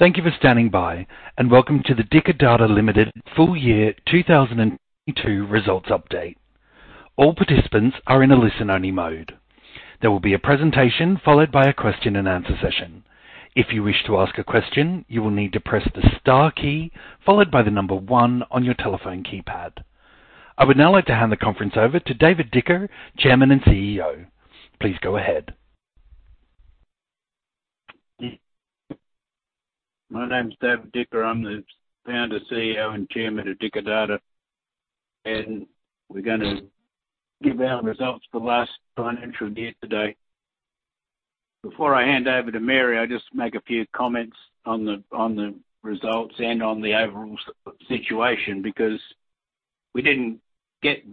Thank you for standing by, and welcome to the Dicker Data Limited full year 2022 results update. All participants are in a listen-only mode. There will be a presentation followed by a question and answer session. If you wish to ask a question, you will need to press the star key followed by the one on your telephone keypad. I would now like to hand the conference over to David Dicker, Chairman and CEO. Please go ahead. My name's David Dicker. I'm the Founder, CEO, and Chairman of Dicker Data, and we're gonna give our results for last financial year today. Before I hand over to Mary, I'll just make a few comments on the results and on the overall situation because we didn't get,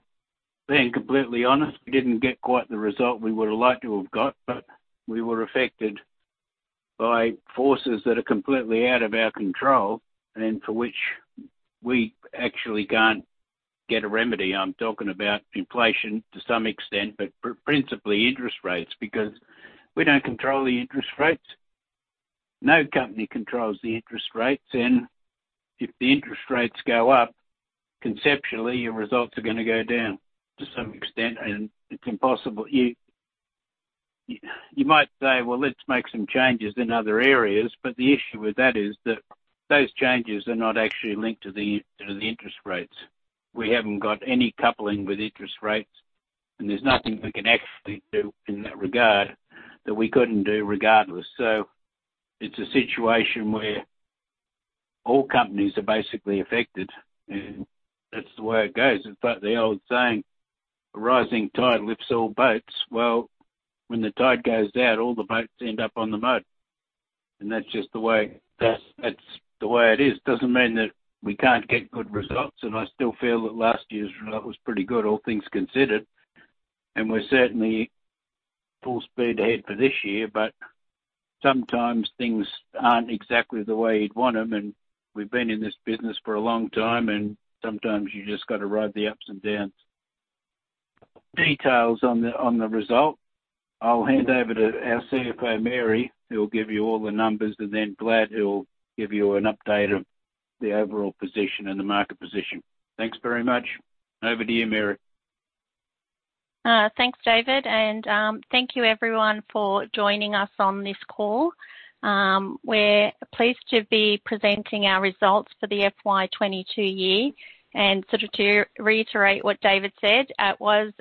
being completely honest, we didn't get quite the result we would have liked to have got, but we were affected by forces that are completely out of our control and for which we actually can't get a remedy. I'm talking about inflation to some extent, but principally interest rates, because we don't control the interest rates. No company controls the interest rates, and if the interest rates go up, conceptually, your results are gonna go down to some extent, and it's impossible. You might say, "Well, let's make some changes in other areas," but the issue with that is that those changes are not actually linked to the interest rates. We haven't got any coupling with interest rates, and there's nothing we can actually do in that regard that we couldn't do regardless. It's a situation where all companies are basically affected. That's the way it goes. In fact, the old saying, a rising tide lifts all boats. Well, when the tide goes out, all the boats end up on the mud. That's the way it is. Doesn't mean that we can't get good results, I still feel that last year's result was pretty good, all things considered. We're certainly full speed ahead for this year, but sometimes things aren't exactly the way you'd want them, and we've been in this business for a long time, and sometimes you just gotta ride the ups and downs. Details on the result, I'll hand over to our CFO, Mary, who will give you all the numbers, and then Vlad, who will give you an update of the overall position and the market position. Thanks very much. Over to you, Mary. Thanks, David, and thank you everyone for joining us on this call. We're pleased to be presenting our results for the FY 2022 year. Sort of to reiterate what David said, it was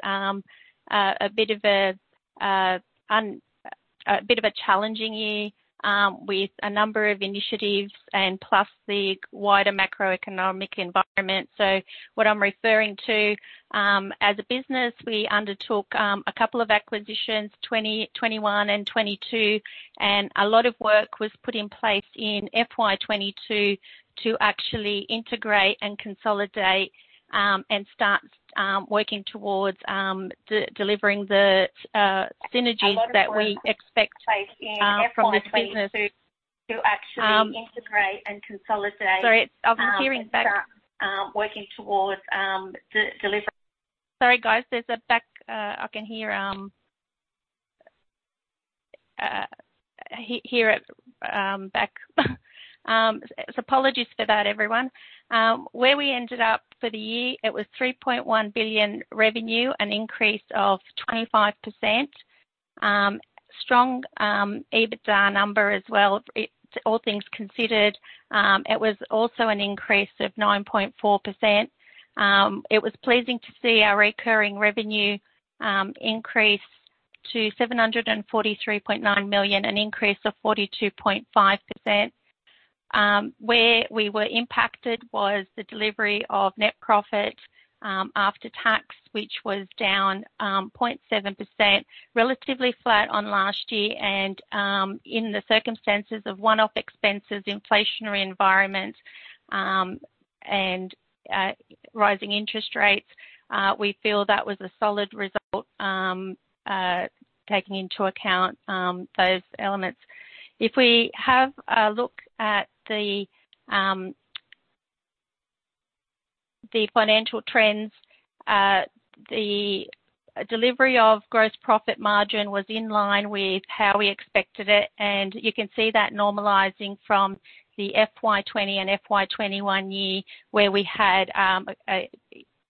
a bit of a challenging year with a number of initiatives and plus the wider macroeconomic environment. What I'm referring to, as a business, we undertook a couple of acquisitions, 2021 and 2022, and a lot of work was put in place in FY 2022 to actually integrate and consolidate and start working towards de-delivering the synergies that we expect from this business. Sorry. I was hearing back. Working towards de-delivering. Sorry, guys. There's a back. I can hear it back. Apologies for that, everyone. Where we ended up for the year, it was 3.1 billion (Australian Dollar) revenue, an increase of 25%. Strong EBITDA number as well. All things considered, it was also an increase of 9.4%. It was pleasing to see our recurring revenue increase to 743.9 million (Australian Dollar), an increase of 42.5%. Where we were impacted was the delivery of net profit after tax, which was down 0.7%, relatively flat on last year. In the circumstances of one-off expenses, inflationary environment, and rising interest rates, we feel that was a solid result taking into account those elements. If we have a look at the financial trends, the delivery of gross profit margin was in line with how we expected it, and you can see that normalizing from the FY 2020 and FY 2021 year, where we had a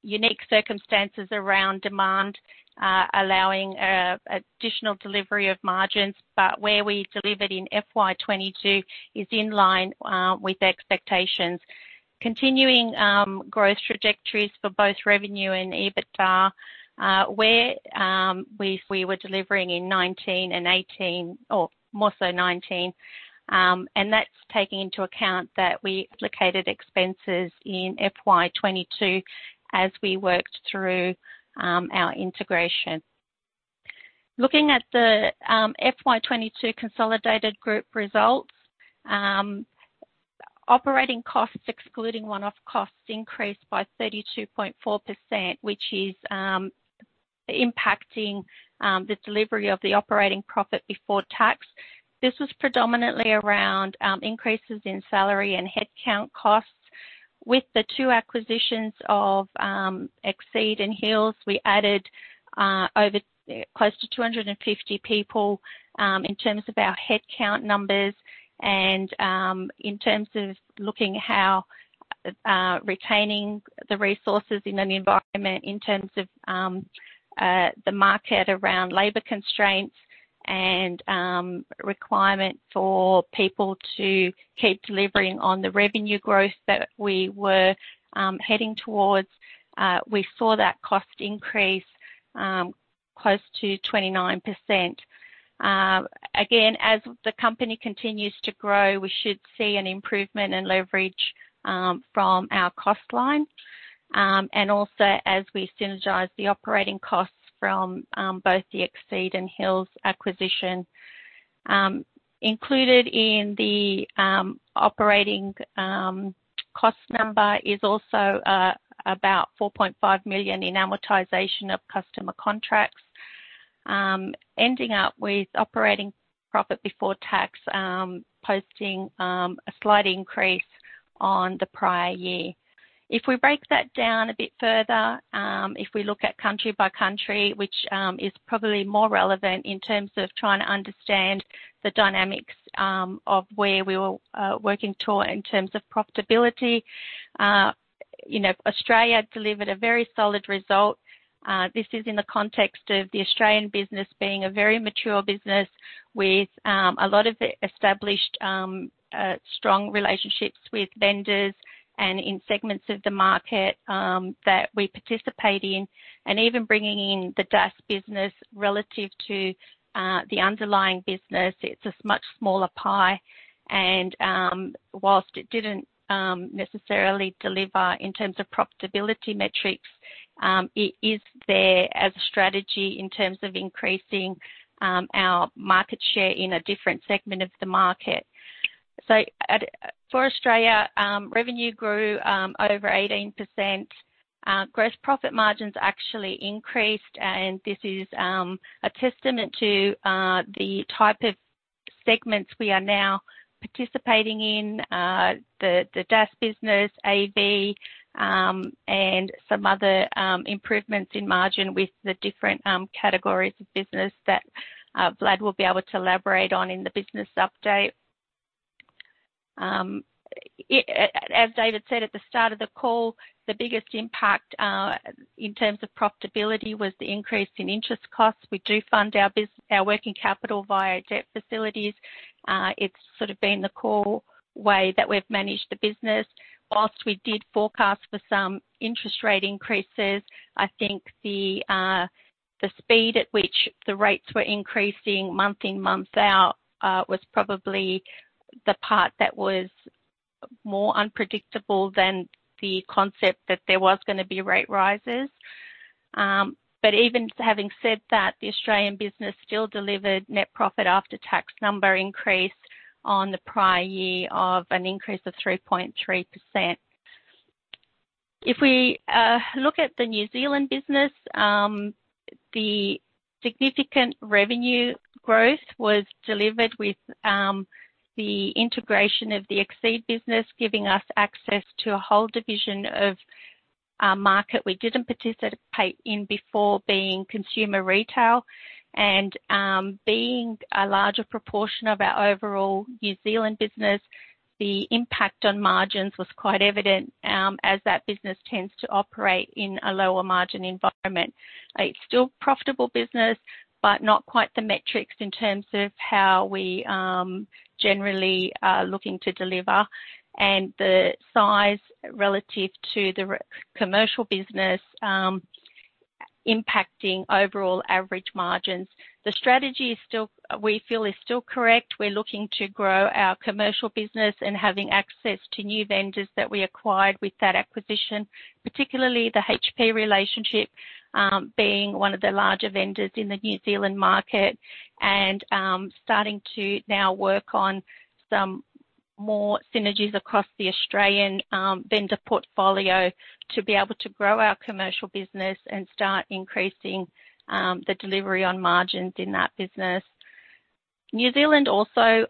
unique circumstances around demand, allowing additional delivery of margins. Where we delivered in FY 2022 is in line with expectations. Continuing growth trajectories for both revenue and EBITDA, where we were delivering in 19% and 18% or more so 19%, and that's taking into account that we allocated expenses in FY 2022 as we worked through our integration. Looking at the FY 2022 consolidated group results, operating costs excluding one-off costs increased by 32.4%, which is impacting the delivery of the operating profit before tax. This was predominantly around increases in salary and headcount costs. With the two acquisitions of Exeed and Hills, we added over close to 250 people in terms of our headcount numbers and in terms of looking how retaining the resources in an environment in terms of the market around labor constraints and requirement for people to keep delivering on the revenue growth that we were heading towards. We saw that cost increase close to 29%. Again, as the company continues to grow, we should see an improvement in leverage from our cost line and also as we synergize the operating costs from both the Exeed and Hills acquisition. Included in the operating cost number is also about 4.5 million (Australian Dollar) in amortization of customer contracts, ending up with operating profit before tax, posting a slight increase on the prior year. We break that down a bit further, if we look at country by country, which is probably more relevant in terms of trying to understand the dynamics of where we were working toward in terms of profitability. You know, Australia delivered a very solid result. This is in the context of the Australian business being a very mature business with a lot of established strong relationships with vendors and in segments of the market that we participate in. Even bringing in the DAS business relative to the underlying business, it's a much smaller pie and, whilst it didn't necessarily deliver in terms of profitability metrics, it is there as a strategy in terms of increasing our market share in a different segment of the market. For Australia, revenue grew over 18%. Gross profit margins actually increased. This is a testament to the type of segments we are now participating in. The DAS business, AV, and some other improvements in margin with the different categories of business that Vlad will be able to elaborate on in the business update. As David said at the start of the call, the biggest impact in terms of profitability was the increase in interest costs. We do fund our working capital via debt facilities. It's sort of been the core way that we've managed the business. Whilst we did forecast for some interest rate increases, I think the speed at which the rates were increasing month in, month out, was probably the part that was more unpredictable than the concept that there was gonna be rate rises. Even having said that, the Australian business still delivered net profit after tax number increase on the prior year of an increase of 3.3%. If we look at the New Zealand business, the significant revenue growth was delivered with the integration of the Exeed business, giving us access to a whole division of a market we didn't participate in before being consumer retail. Being a larger proportion of our overall New Zealand business, the impact on margins was quite evident, as that business tends to operate in a lower margin environment. It's still profitable business, but not quite the metrics in terms of how we generally are looking to deliver and the size relative to the commercial business, impacting overall average margins. The strategy we feel is still correct. We're looking to grow our commercial business and having access to new vendors that we acquired with that acquisition, particularly the HP relationship, being one of the larger vendors in the New Zealand market. Starting to now work on some more synergies across the Australian vendor portfolio to be able to grow our commercial business and start increasing the delivery on margins in that business. New Zealand also,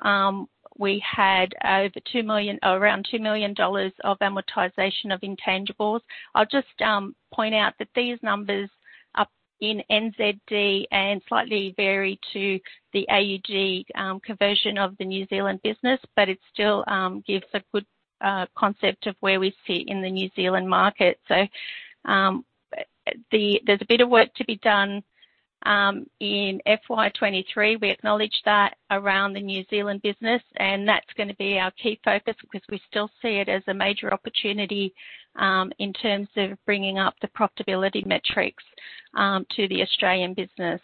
we had over 2 million (New Zealand Dollar) or around NZD 2 million (New Zealand Dollar) of amortization of intangibles. I'll just point out that these numbers are in NZD and slightly vary to the AUD conversion of the New Zealand business, but it still gives a good concept of where we sit in the New Zealand market. There's a bit of work to be done in FY 2023. We acknowledge that around the New Zealand business, and that's gonna be our key focus because we still see it as a major opportunity in terms of bringing up the profitability metrics to the Australian business.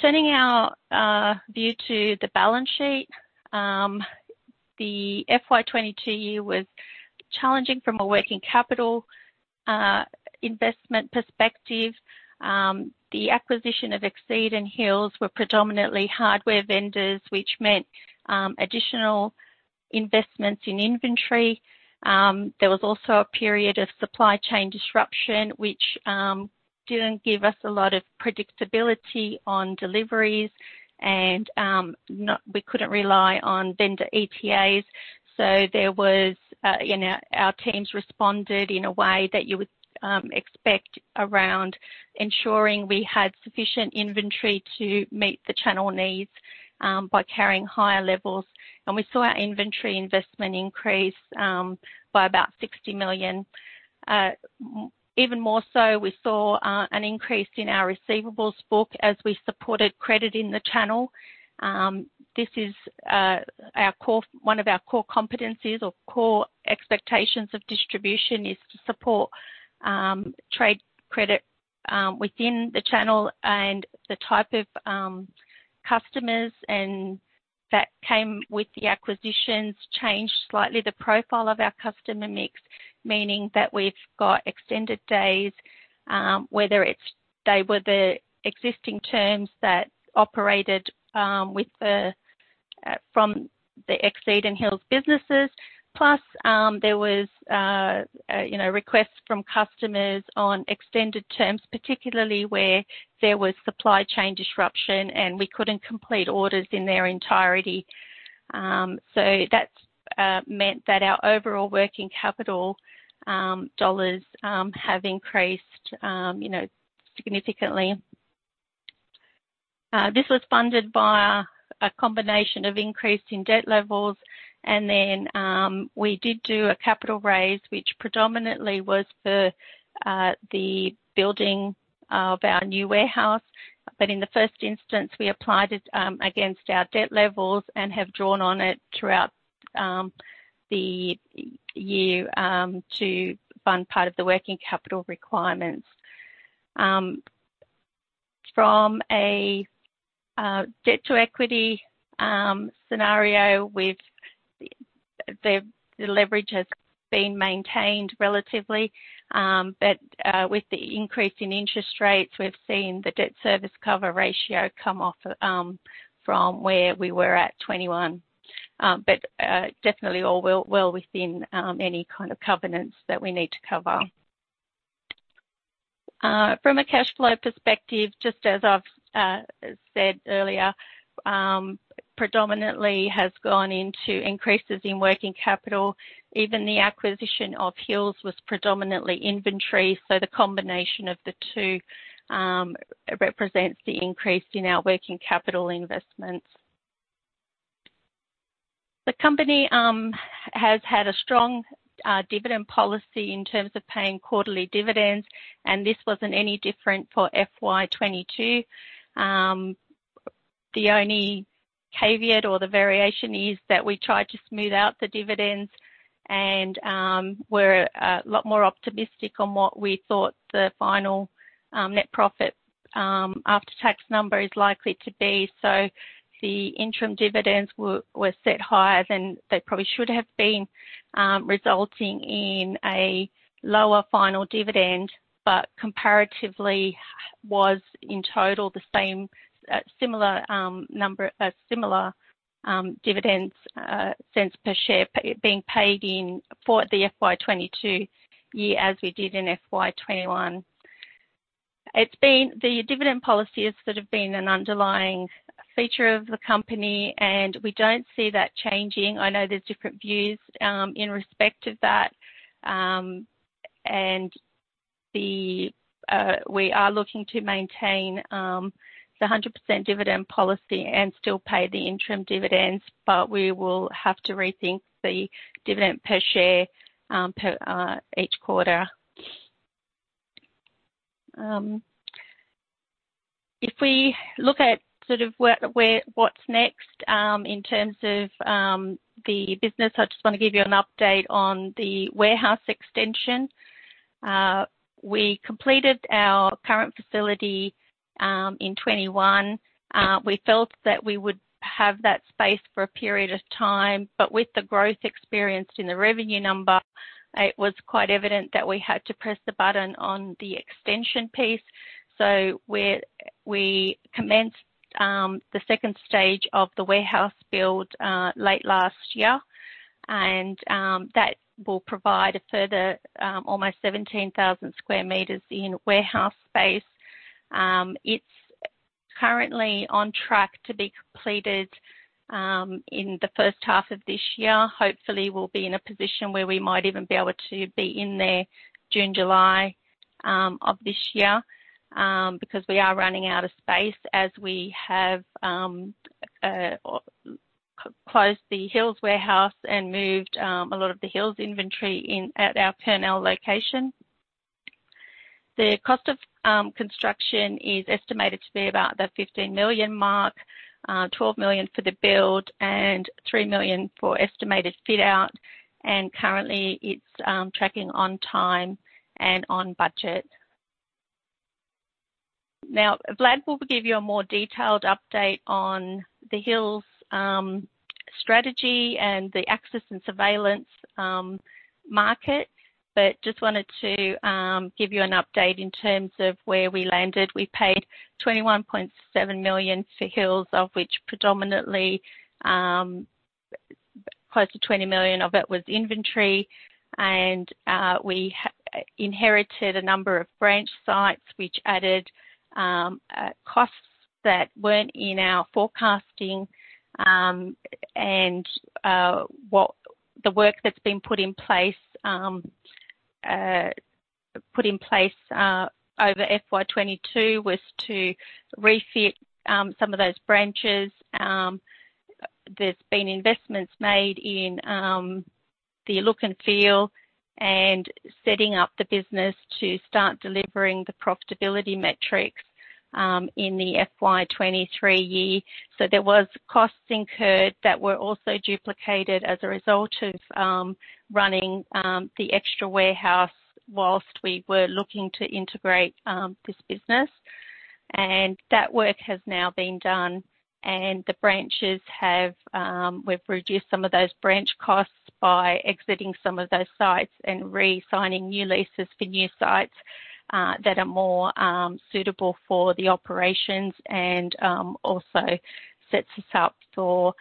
Turning our view to the balance sheet. The FY 2022 year was challenging from a working capital investment perspective. The acquisition of Exeed and Hills were predominantly hardware vendors, which meant additional investments in inventory. There was also a period of supply chain disruption which didn't give us a lot of predictability on deliveries and we couldn't rely on vendor ETAs. There was, you know, our teams responded in a way that you would expect around ensuring we had sufficient inventory to meet the channel needs by carrying higher levels. We saw our inventory investment increase by about 60 million (Australian Dollar). Even more so, we saw an increase in our receivables book as we supported credit in the channel. This is one of our core competencies or core expectations of distribution is to support trade credit within the channel and the type of customers and that came with the acquisitions changed slightly the profile of our customer mix, meaning that we've got extended days, whether it's they were the existing terms that operated with the from the Exeed and Hills businesses. Plus, there was a, you know, requests from customers on extended terms, particularly where there was supply chain disruption, and we couldn't complete orders in their entirety. That's meant that our overall working capital dollars have increased, you know, significantly. This was funded via a combination of increase in debt levels. We did do a capital raise, which predominantly was for the building of our new warehouse. In the first instance, we applied it against our debt levels and have drawn on it throughout the year to fund part of the working capital requirements. From a debt to equity scenario with the leverage has been maintained relatively. With the increase in interest rates, we've seen the Debt Service Coverage Ratio come off from where we were at 2021. Definitely all well, well within any kind of covenants that we need to cover. From a cash flow perspective, just as I've said earlier, predominantly has gone into increases in working capital. The acquisition of Hills was predominantly inventory, so the combination of the two represents the increase in our working capital investments. The company has had a strong dividend policy in terms of paying quarterly dividends, and this wasn't any different for FY 2022. The only caveat or the variation is that we tried to smooth out the dividends, and we're a lot more optimistic on what we thought the final net profit after-tax number is likely to be. The interim dividends were set higher than they probably should have been, resulting in a lower final dividend, but comparatively was in total the same, similar dividends cents per share being paid in for the FY 2022 year as we did in FY 2021. The dividend policy has sort of been an underlying feature of the company, and we don't see that changing. I know there's different views, in respect of that. The we are looking to maintain, the 100% dividend policy and still pay the interim dividends. We will have to rethink the dividend per share, per each quarter. If we look at sort of what's next, in terms of the business, I just want to give you an update on the warehouse extension. We completed our current facility, in 2021. We felt that we would have that space for a period of time. With the growth experienced in the revenue number, it was quite evident that we had to press the button on the extension piece. We commenced the second stage of the warehouse build late last year. That will provide a further almost 17,000 square meters in warehouse space. It's currently on track to be completed in the first half of this year. Hopefully, we'll be in a position where we might even be able to be in there June, July of this year because we are running out of space as we have closed the Hills warehouse and moved a lot of the Hills inventory in at our Kurnell location. The cost of construction is estimated to be about the 15 million (Australian Dollar) mark, 12 million (Australian Dollar) for the build and 3 million (Australian Dollar) for estimated fit-out. Currently, it's tracking on time and on budget. Now, Vlad will give you a more detailed update on the Hills strategy and the access and surveillance market. Just wanted to give you an update in terms of where we landed. We paid 21.7 million (Australian Dollar) for Hills, of which predominantly, close to 20 million (Australian Dollar)of it was inventory. We inherited a number of branch sites which added costs that weren't in our forecasting. The work that's been put in place over FY 2022 was to refit some of those branches. There's been investments made in the look and feel and setting up the business to start delivering the profitability metrics in the FY 2023 year. There was costs incurred that were also duplicated as a result of running the extra warehouse whilst we were looking to integrate this business. That work has now been done, and the branches have, we've reduced some of those branch costs by exiting some of those sites and re-signing new leases for new sites that are more suitable for the operations and also sets us up for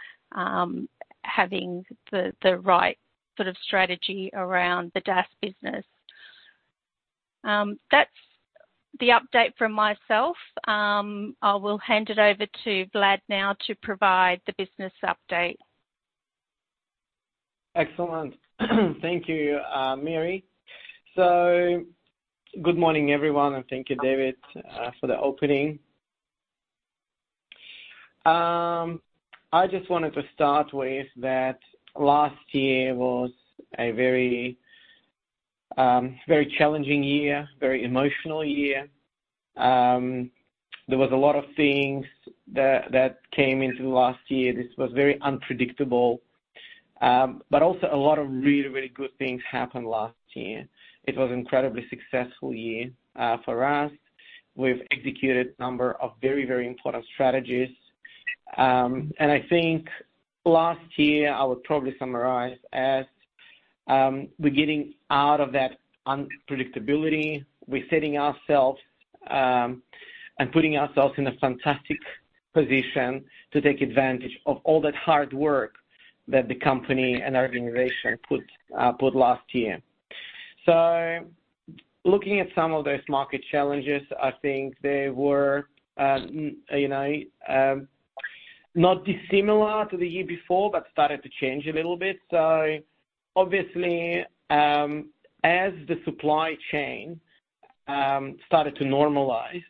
having the right sort of strategy around the DAS business. That's the update from myself. I will hand it over to Vlad now to provide the business update. Excellent. Thank you, Mary. Good morning, everyone, and thank you, David, for the opening. I just wanted to start with that last year was a very, very challenging year, very emotional year. There was a lot of things that came into last year. This was very unpredictable, but also a lot of really, really good things happened last year. It was incredibly successful year for us. We've executed number of very, very important strategies. I think last year I would probably summarize as we're getting out of that unpredictability. We're setting ourselves and putting ourselves in a fantastic position to take advantage of all that hard work that the company and our organization put last year. Looking at some of those market challenges, I think they were, you know, not dissimilar to the year before but started to change a little bit. Obviously, as the supply chain started to normalize,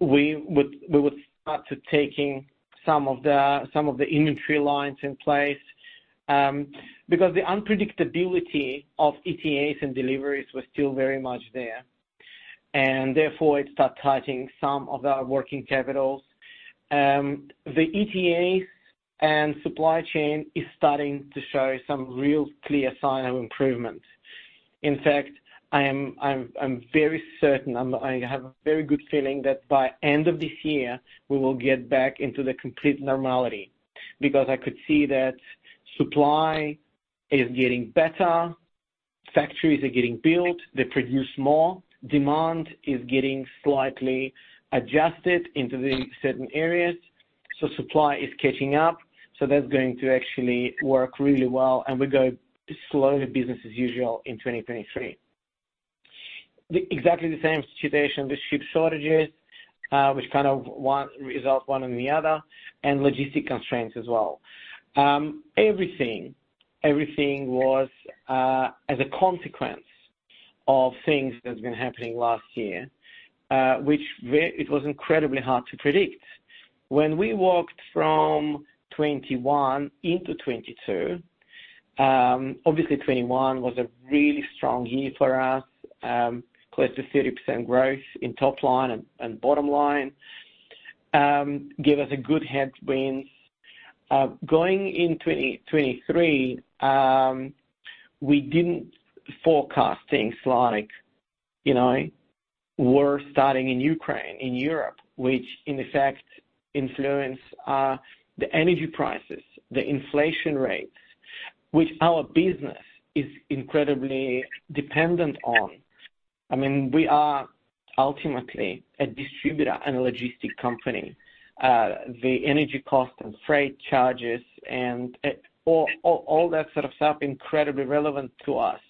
we would start to taking some of the inventory lines in place, because the unpredictability of ETAs and deliveries was still very much there, and therefore it start tightening some of our working capitals. The ETAs and supply chain is starting to show some real clear sign of improvement. In fact, I'm very certain, I have a very good feeling that by end of this year we will get back into the complete normality because I could see that supply is getting better, factories are getting built, they produce more. Demand is getting slightly adjusted into the certain areas, supply is catching up. That's going to actually work really well, and we go slowly business as usual in 2023. The exactly the same situation with ship shortages, which kind of one result one in the other, and logistic constraints as well. Everything was as a consequence of things that's been happening last year, which it was incredibly hard to predict. When we walked from 2021 into 2022, obviously 2021 was a really strong year for us, close to 30% growth in top line and bottom line, gave us a good headwind. Going in 2023, we didn't forecast things like, you know, war starting in Ukraine, in Europe, which in effect influence the energy prices, the inflation rates, which our business is incredibly dependent on. I mean, we are ultimately a distributor and a logistic company. The energy cost and freight charges and all that sort of stuff incredibly relevant to us.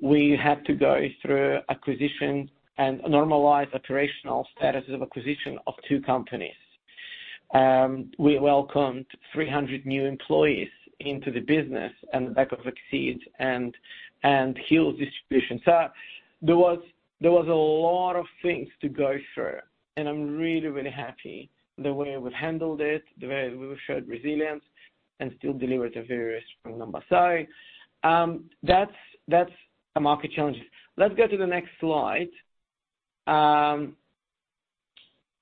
We had to go through acquisition and normalize operational status of acquisition of two companies. We welcomed 300 new employees into the business and the back of Exeed and Hills distribution. There was a lot of things to go through, and I'm really, really happy the way we've handled it, the way we've showed resilience and still delivered a very strong number. That's the market challenges. Let's go to the next slide.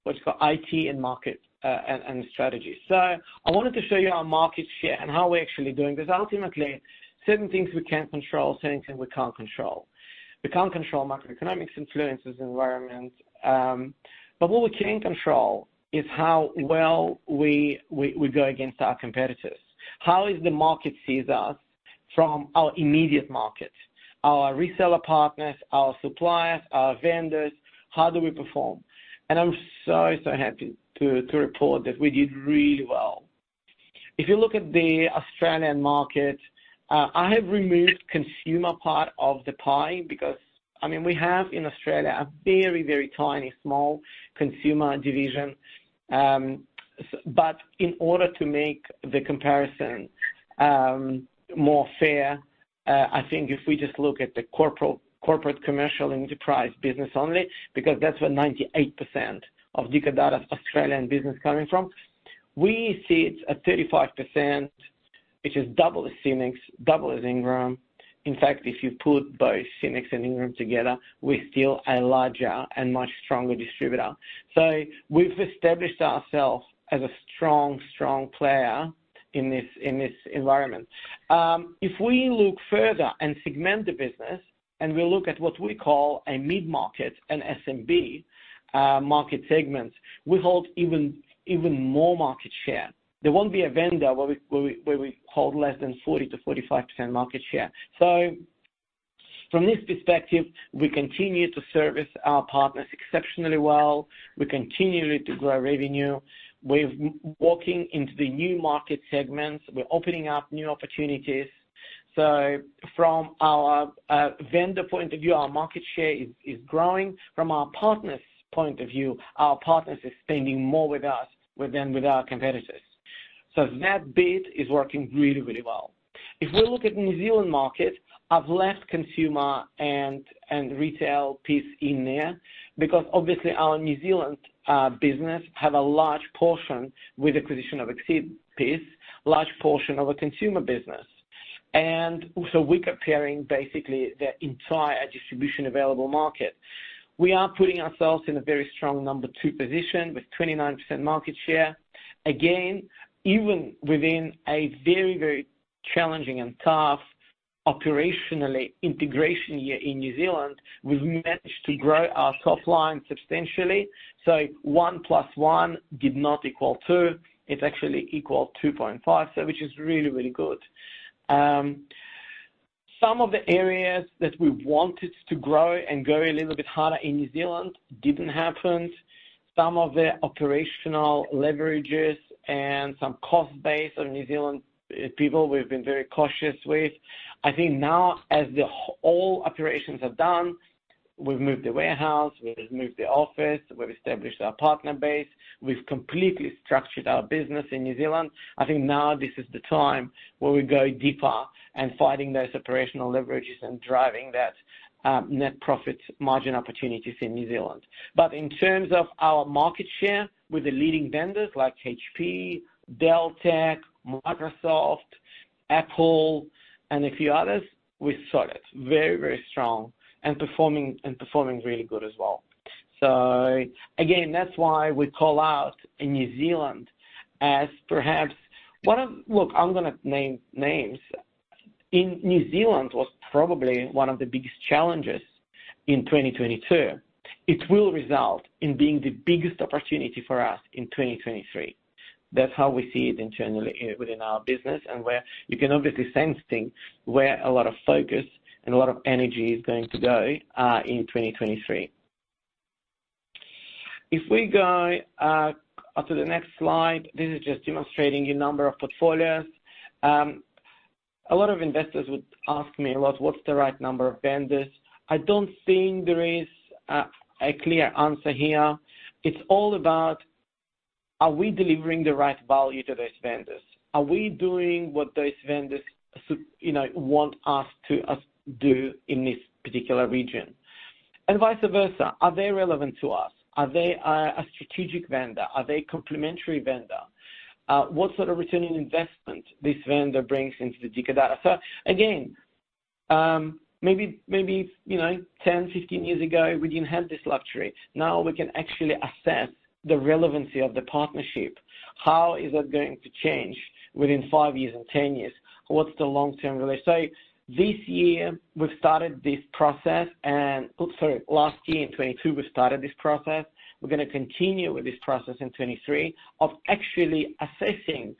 What you call IT and market, and strategy. I wanted to show you our market share and how we're actually doing because ultimately certain things we can control, certain things we can't control. We can't control macroeconomics influences environment. What we can control is how well we go against our competitors. How is the market sees us? From our immediate markets, our reseller partners, our suppliers, our vendors, how do we perform? I'm so happy to report that we did really well. If you look at the Australian market, I have removed consumer part of the pie because, I mean, we have in Australia a very tiny, small consumer division. In order to make the comparison more fair, I think if we just look at the corporate commercial enterprise business only, because that's where 98% of Dicker Data Australian business coming from. We sit at 35%, which is double the Synnex, double the Ingram. In fact, if you put both Synnex and Ingram together, we're still a larger and much stronger distributor. We've established ourselves as a strong player in this environment. If we look further and segment the business, and we look at what we call a mid-market and SMB market segments, we hold even more market share. There won't be a vendor where we hold less than 40%-45% market share. From this perspective, we continue to service our partners exceptionally well. We continue to grow revenue. We're walking into the new market segments. We're opening up new opportunities. From our vendor point of view, our market share is growing. From our partners' point of view, our partners are spending more with us than with our competitors. That bit is working really well. If we look at New Zealand market, I've left consumer and retail piece in there because obviously our New Zealand business have a large portion with acquisition of Exeed piece, large portion of a consumer business. We're comparing basically the entire distribution available market. We are putting ourselves in a very strong number two position with 29% market share. Again, even within a very challenging and tough operationally integration year in New Zealand, we've managed to grow our top line substantially. 1 + 1 did not = 2. It actually equal 2.5. Which is really, really good. Some of the areas that we wanted to grow and go a little bit harder in New Zealand didn't happen. Some of the operational leverages and some cost base of New Zealand people we've been very cautious with. I think now as all operations are done, we've moved the warehouse, we've moved the office, we've established our partner base, we've completely structured our business in New Zealand. I think now this is the time where we go deeper and fighting those operational leverages and driving that net profit margin opportunities in New Zealand. In terms of our market share with the leading vendors like HP, Dell Tech, Microsoft, Apple, and a few others, we're solid. Very, very strong and performing really good as well. Again, that's why we call out. Look, I'm gonna name names. In New Zealand was probably one of the biggest challenges in 2022. It will result in being the biggest opportunity for us in 2023. That's how we see it internally here within our business and where you can obviously sense things where a lot of focus and a lot of energy is going to go in 2023. If we go to the next slide, this is just demonstrating a number of portfolios. A lot of investors would ask me about what's the right number of vendors. I don't think there is a clear answer here. It's all about are we delivering the right value to those vendors? Are we doing what those vendors you know, want us to do in this particular region? Vice versa. Are they relevant to us? Are they a strategic vendor? Are they complementary vendor? What sort of return in investment this vendor brings into Dicker Data? Again, you know, maybe 10, 15 years ago, we didn't have this luxury. Now we can actually assess the relevancy of the partnership. How is that going to change within five years and 10 years? What's the long-term relation? This year, we've started this process. Sorry, last year in 2022, we started this process. We're gonna continue with this process in 2023 of actually assessing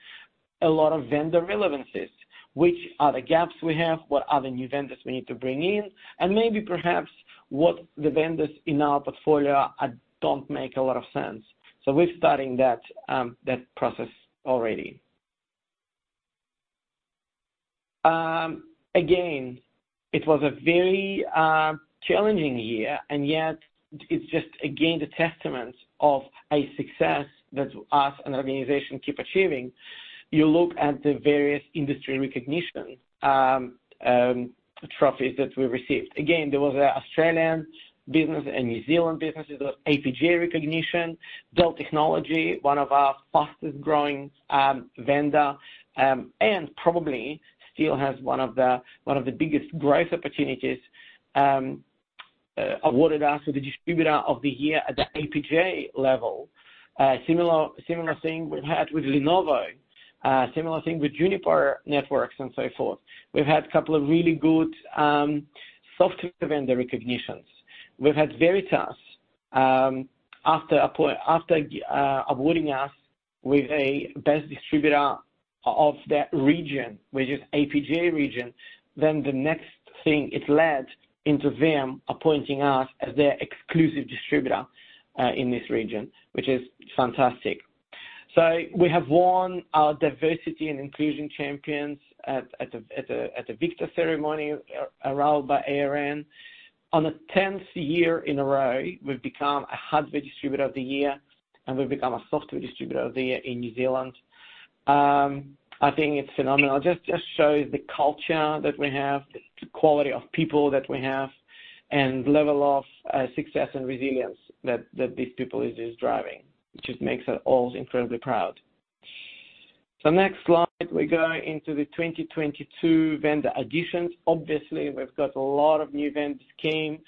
a lot of vendor relevancies. Which are the gaps we have? What are the new vendors we need to bring in? Maybe perhaps what the vendors in our portfolio don't make a lot of sense. We're starting that process already. Again, it was a very challenging year, yet it's just again the testament of a success that us, an organization, keep achieving. You look at the various industry recognition trophies that we received. Again, there was an Australian business and New Zealand business. There was APJ recognition. Dell Technologies, one of our fastest-growing vendor, and probably still has one of the biggest growth opportunities, awarded us with the distributor of the year at the APJ level. Similar thing we've had with Lenovo. Similar thing with Juniper Networks and so forth. We've had couple of really good software vendor recognitions. We've had Veritas, after awarding us with a best distributor of that region, which is APJ region, the next thing it led into them appointing us as their exclusive distributor in this region, which is fantastic. We have won our diversity and inclusion champions at a WIICTA ceremony run by ARN. On the tenth year in a row, we've become a hardware distributor of the year, and we've become a software distributor of the year in New Zealand. I think it's phenomenal. Just shows the culture that we have, the quality of people that we have, and level of success and resilience that these people is just driving, which just makes us all incredibly proud. Next slide, we go into the 2022 vendor additions. Obviously, we've got a lot of new vendors came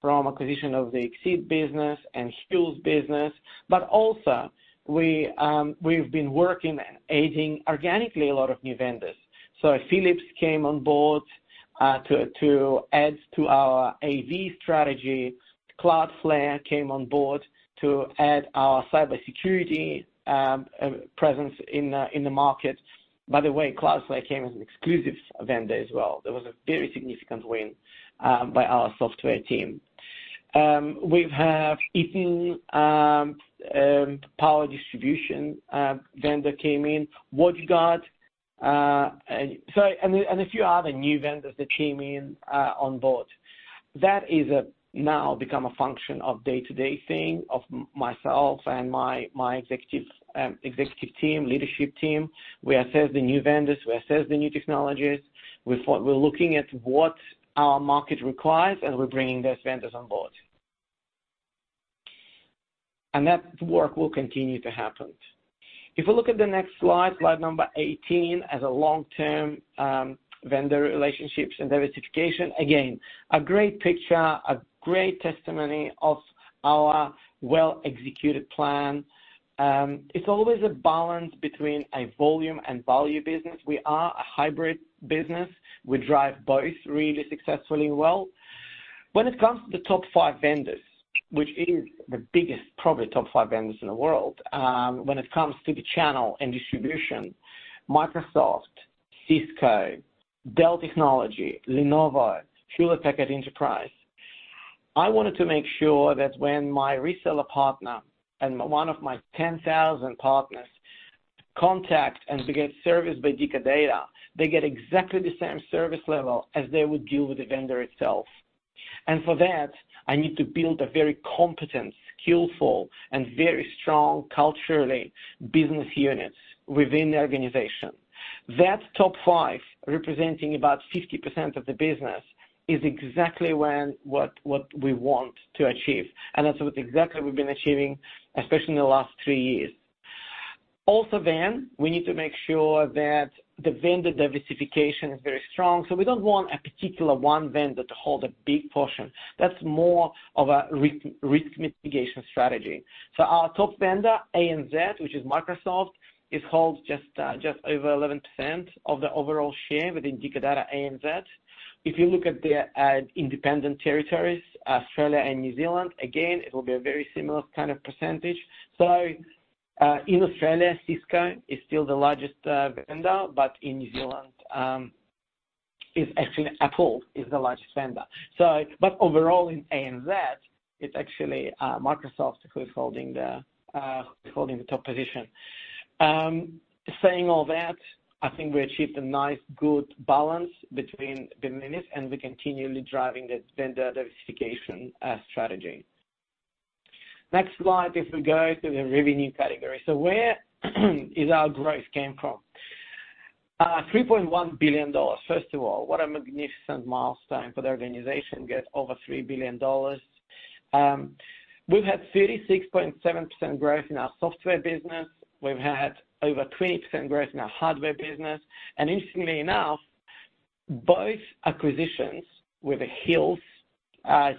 from acquisition of the Exeed business and Hills business. Also we've been working adding organically a lot of new vendors. Philips came on board to add to our AV strategy. Cloudflare came on board to add our cybersecurity presence in the market. By the way, Cloudflare came as an exclusive vendor as well. That was a very significant win by our software team. We have Eaton power distribution vendor came in. WatchGuard, and a few other new vendors that came in on board. That is now become a function of day-to-day thing of myself and my executive team, leadership team. We assess the new vendors, we assess the new technologies. We're looking at what our market requires, and we're bringing those vendors on board. That work will continue to happen. If you look at the next slide number 18, as a long-term vendor relationships and diversification, again, a great picture, a great testimony of our well-executed plan. It's always a balance between a volume and value business. We are a hybrid business. We drive both really successfully well. When it comes to the top five vendors, which is the biggest probably top five vendors in the world, when it comes to the channel and distribution, Microsoft, Cisco, Dell Technologies, Lenovo, Hewlett Packard Enterprise. I wanted to make sure that when my reseller partner and one of my 10,000 partners contact and get service by Dicker Data, they get exactly the same service level as they would deal with the vendor itself. For that, I need to build a very competent, skillful, and very strong culturally business units within the organization. That top five, representing about 50% of the business, is exactly what we want to achieve. That's what exactly we've been achieving, especially in the last three years. Also, we need to make sure that the vendor diversification is very strong. We don't want a particular one vendor to hold a big portion. That's more of a risk mitigation strategy. Our top vendor, ANZ, which is Microsoft, it holds just over 11% of the overall share within Dicker Data ANZ. If you look at the independent territories, Australia and New Zealand, again, it will be a very similar kind of percentage. In Australia, Cisco is still the largest vendor, but in New Zealand, it's actually Apple is the largest vendor. Overall in ANZ, it's actually Microsoft who is holding the top position. Saying all that, I think we achieved a nice, good balance between the minutes, and we're continually driving the vendor diversification strategy. Next slide, if we go to the revenue category. Where is our growth came from? 3.1 billion (Australian Dollar). First of all, what a magnificent milestone for the organization to get over 3 billion (Australian Dollar). We've had 36.7% growth in our software business. We've had over 20% growth in our hardware business. Interestingly enough, both acquisitions with the Hills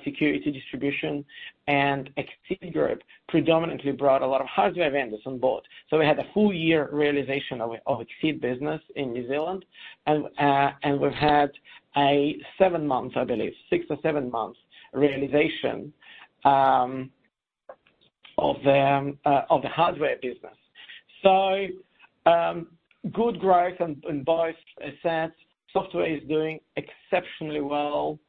security distribution and Exeed group predominantly brought a lot of hardware vendors on board. We had a full year realization of Exeed business in New Zealand. We've had a six or seven months realization of the hardware business. Good growth on both assets. Software is doing exceptionally well.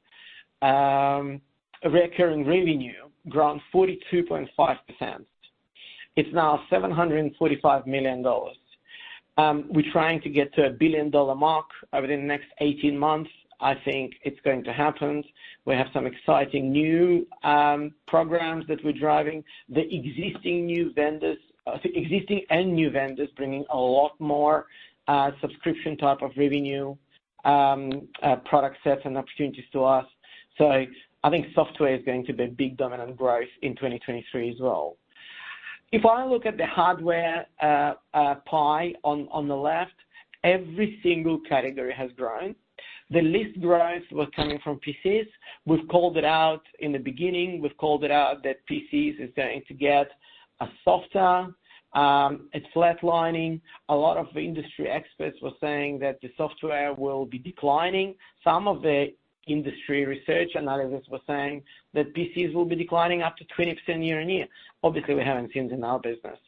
Recurring revenue grown 42.5%. It's now 745 million (Australian Dollar). We're trying to get to a billion-dollar mark within the next 18 months. I think it's going to happen. We have some exciting new programs that we're driving. Existing and new vendors bringing a lot more subscription type of revenue, product sets and opportunities to us. I think software is going to be a big dominant growth in 2023 as well. If I look at the hardware pie on the left, every single category has grown. The least growth was coming from PCs. We've called it out in the beginning. We've called it out that PCs is going to get softer. It's flatlining. A lot of industry experts were saying that the software will be declining. Some of the industry research analysts were saying that PCs will be declining up to 20% year-on-year. Obviously, we haven't seen it in our business.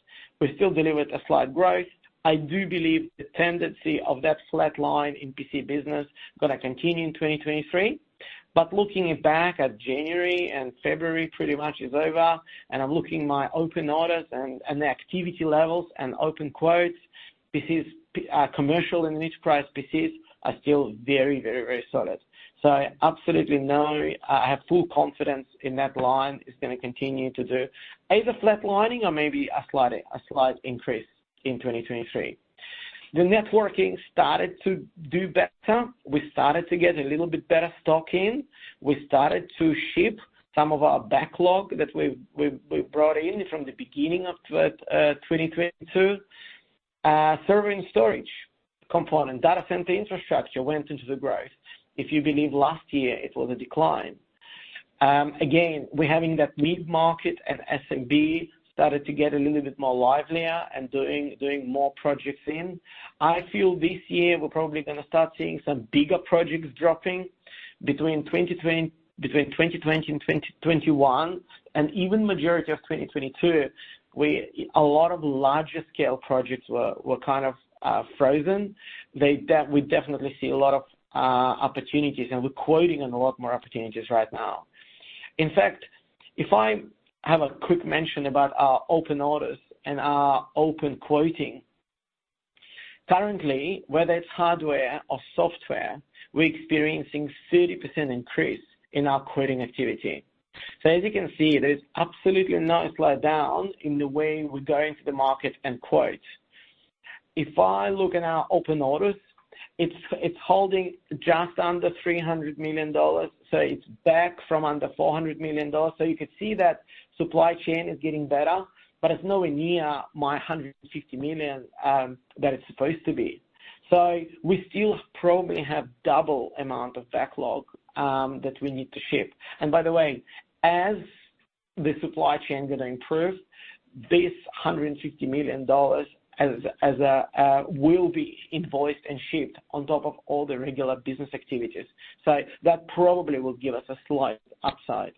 We still delivered a slight growth. I do believe the tendency of that flat line in PC business gonna continue in 2023. Looking back at January and February pretty much is over, and I'm looking my open orders and the activity levels and open quotes. PCs... commercial and enterprise PCs are still very, very, very solid. Absolutely no, I have full confidence in that line is gonna continue to do either flatlining or maybe a slight, a slight increase in 2023. The networking started to do better. We started to get a little bit better stock in. We started to ship some of our backlog that we brought in from the beginning of 2022. Server and storage component, data center infrastructure went into the growth. If you believe last year it was a decline. Again, we're having that mid-market and SMB started to get a little bit more livelier and doing more projects in. I feel this year we're probably gonna start seeing some bigger projects dropping between 2020 and 2021, and even majority of 2022, we. A lot of larger scale projects were kind of frozen. We definitely see a lot of opportunities and we're quoting on a lot more opportunities right now. In fact, if I have a quick mention about our open orders and our open quoting. Currently, whether it's hardware or software, we're experiencing 30% increase in our quoting activity. As you can see, there's absolutely no slowdown in the way we're going to the market and quote. If I look at our open orders, it's holding just under 300 million (Australian Dollar), it's back from under 400 million (Australian Dollar). You could see that supply chain is getting better, but it's nowhere near my 150 million (Australian Dollar) that it's supposed to be. We still probably have double amount of backlog that we need to ship. By the way, as the supply chain gonna improve, this 150 million (Australian Dollar) will be invoiced and shipped on top of all the regular business activities. That probably will give us a slight upside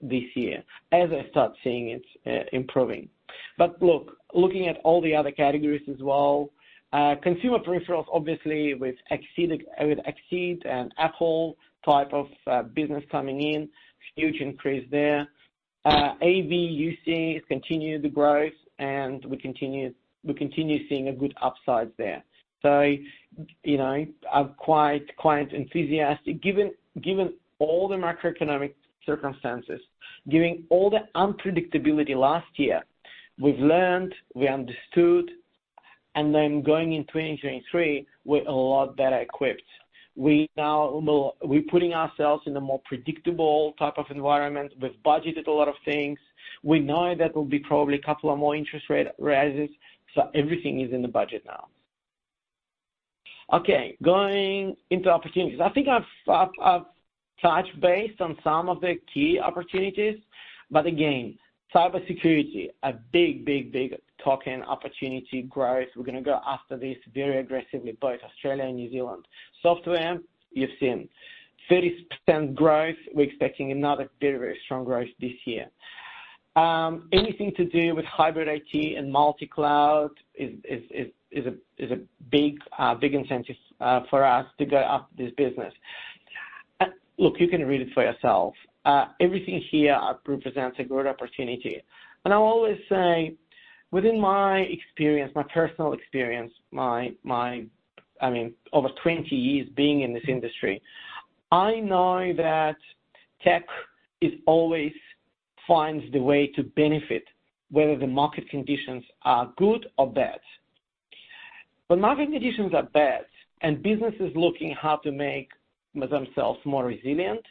this year as I start seeing it improving. Look, looking at all the other categories as well, consumer peripherals, obviously with Exeed and Apple type of business coming in, huge increase there. AV/UC has continued to growth and we continue seeing a good upside there. You know, I'm quite enthusiastic given all the macroeconomic circumstances, given all the unpredictability last year, we've learned, we understood, going in 2023, we're a lot better equipped. We're putting ourselves in a more predictable type of environment. We've budgeted a lot of things. We know there will be probably a couple of more interest rate rises, so everything is in the budget now. Okay, going into opportunities. I think I've touched base on some of the key opportunities, but again, cybersecurity, a big talking opportunity growth. We're gonna go after this very aggressively, both Australia and New Zealand. Software you've seen. 30% growth. We're expecting another very, very strong growth this year. Anything to do with Hybrid IT and multi-cloud is a big incentive for us to go after this business. Look, you can read it for yourself. Everything here represents a great opportunity. I always say within my experience, my personal experience, my, I mean, over 20 years being in this industry, I know that tech is always finds the way to benefit whether the market conditions are good or bad. When market conditions are bad and businesses looking how to make themselves more resilient,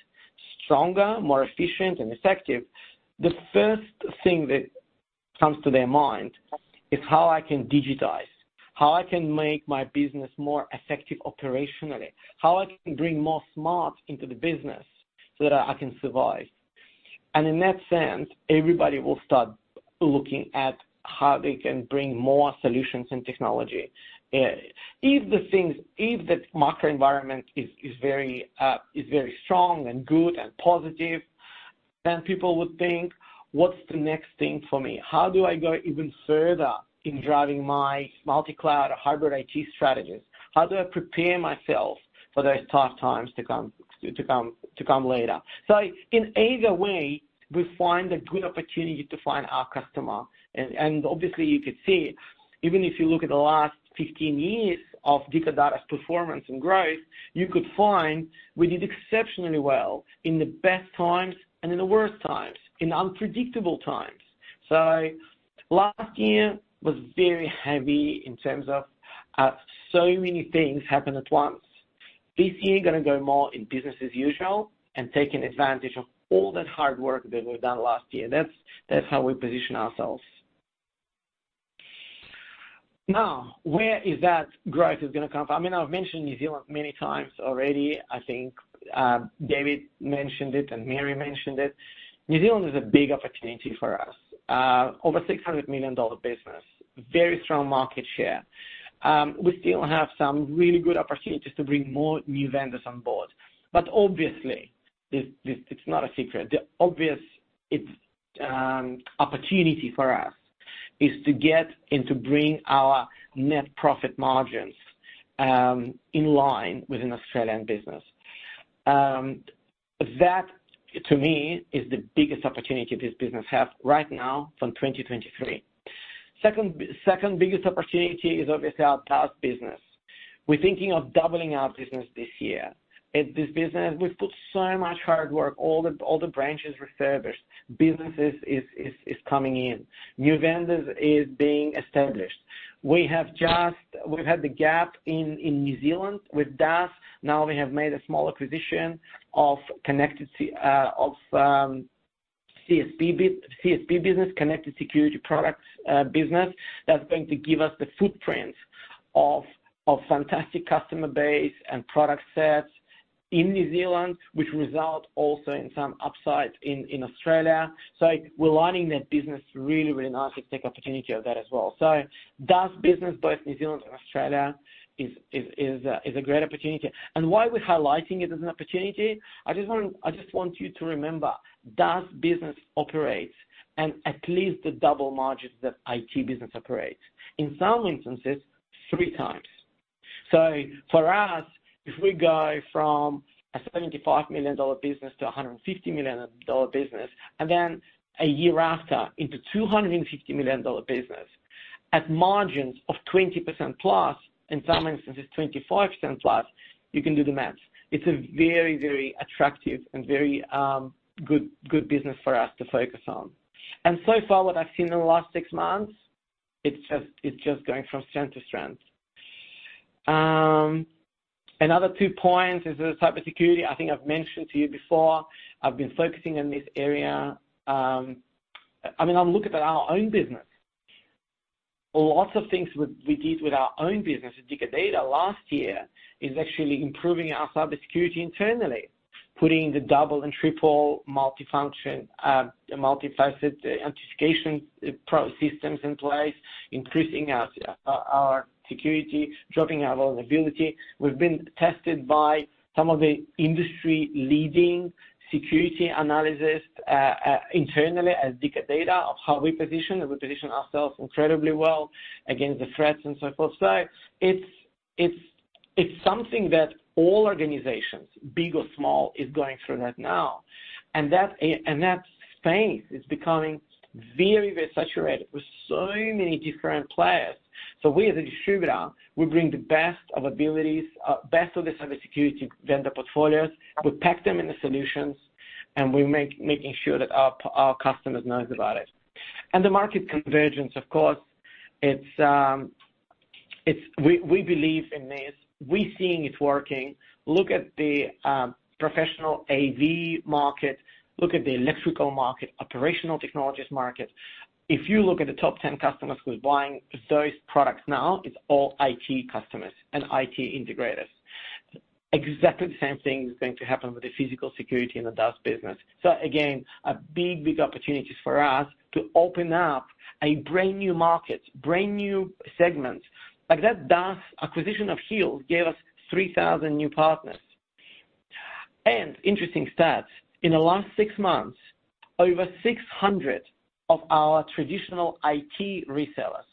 stronger, more efficient and effective, the first thing that comes to their mind is how I can digitize, how I can make my business more effective operationally, how I can bring more smart into the business so that I can survive. In that sense, everybody will start looking at how they can bring more solutions and technology. If the macro environment is very strong and good and positive, then people would think, "What's the next thing for me? How do I go even further in driving my multi-cloud or Hybrid IT strategies? How do I prepare myself for those tough times to come later? In either way, we find a good opportunity to find our customer. Obviously you could see, even if you look at the last 15 years of Dicker Data's performance and growth, you could find we did exceptionally well in the best times and in the worst times, in unpredictable times. Last year was very heavy in terms of so many things happen at once. This year gonna go more in business as usual and taking advantage of all that hard work that we've done last year. That's how we position ourselves. Now, where is that growth is gonna come from? I mean, I've mentioned New Zealand many times already, I think David mentioned it, and Mary mentioned it. New Zealand is a big opportunity for us. Over 600 million (Australian Dollar) business, very strong market share. We still have some really good opportunities to bring more new vendors on board. Obviously, it's not a secret. The obvious opportunity for us is to get and to bring our net profit margins in line with an Australian business. That, to me, is the biggest opportunity this business have right now from 2023. Second biggest opportunity is obviously our task business. We're thinking of doubling our business this year. In this business, we've put so much hard work, all the branches refurbished, businesses is coming in. New vendors is being established. We've had the gap in New Zealand with DAS. Now we have made a small acquisition of CSP business, Connected Security Products business. That's going to give us the footprint of fantastic customer base and product sets in New Zealand, which result also in some upside in Australia. We're lining that business really, really nicely to take opportunity of that as well. DAS business, both New Zealand and Australia is a great opportunity. Why we're highlighting it as an opportunity, I just want you to remember DAS business operates at least the double margins that IT business operates. In some instances, three times. For us, if we go from an 75 million (Australian Dollar) business to an 150 million (Australian Dollar) business, and then a year after into an 250 million (Australian Dollar) business at margins of 20%+, in some instances 25%+, you can do the maths. It's a very attractive and very good business for us to focus on. So far what I've seen in the last six months, it's just going from strength to strength. Another two points is the cybersecurity. I think I've mentioned to you before, I've been focusing on this area. I mean, I'm looking at our own business. Lots of things we did with our own business at Dicker Data last year is actually improving our cybersecurity internally, putting the double and triple multifunction, multifaceted authentication systems in place, increasing our security, dropping our vulnerability. We've been tested by some of the industry-leading security analysts, internally as Dicker Data of how we position. We position ourselves incredibly well against the threats and so forth. It's something that all organizations, big or small, is going through that now. That space is becoming very, very saturated with so many different players. We as a distributor, we bring the best of abilities, best of the cybersecurity vendor portfolios. We pack them in the solutions, and we making sure that our customers knows about it. The market convergence, of course, it's we believe in this. We're seeing it working. Look at the professional AV market. Look at the electrical market, operational technologies market. If you look at the top 10 customers who's buying those products now, it's all IT customers and IT integrators. Exactly the same thing is going to happen with the physical security and the DAS business. Again, a big opportunities for us to open up a brand-new market, brand-new segment. Like that DAS acquisition of Hills gave us 3,000 new partners. Interesting stats, in the last six months, over 600 of our traditional IT resellers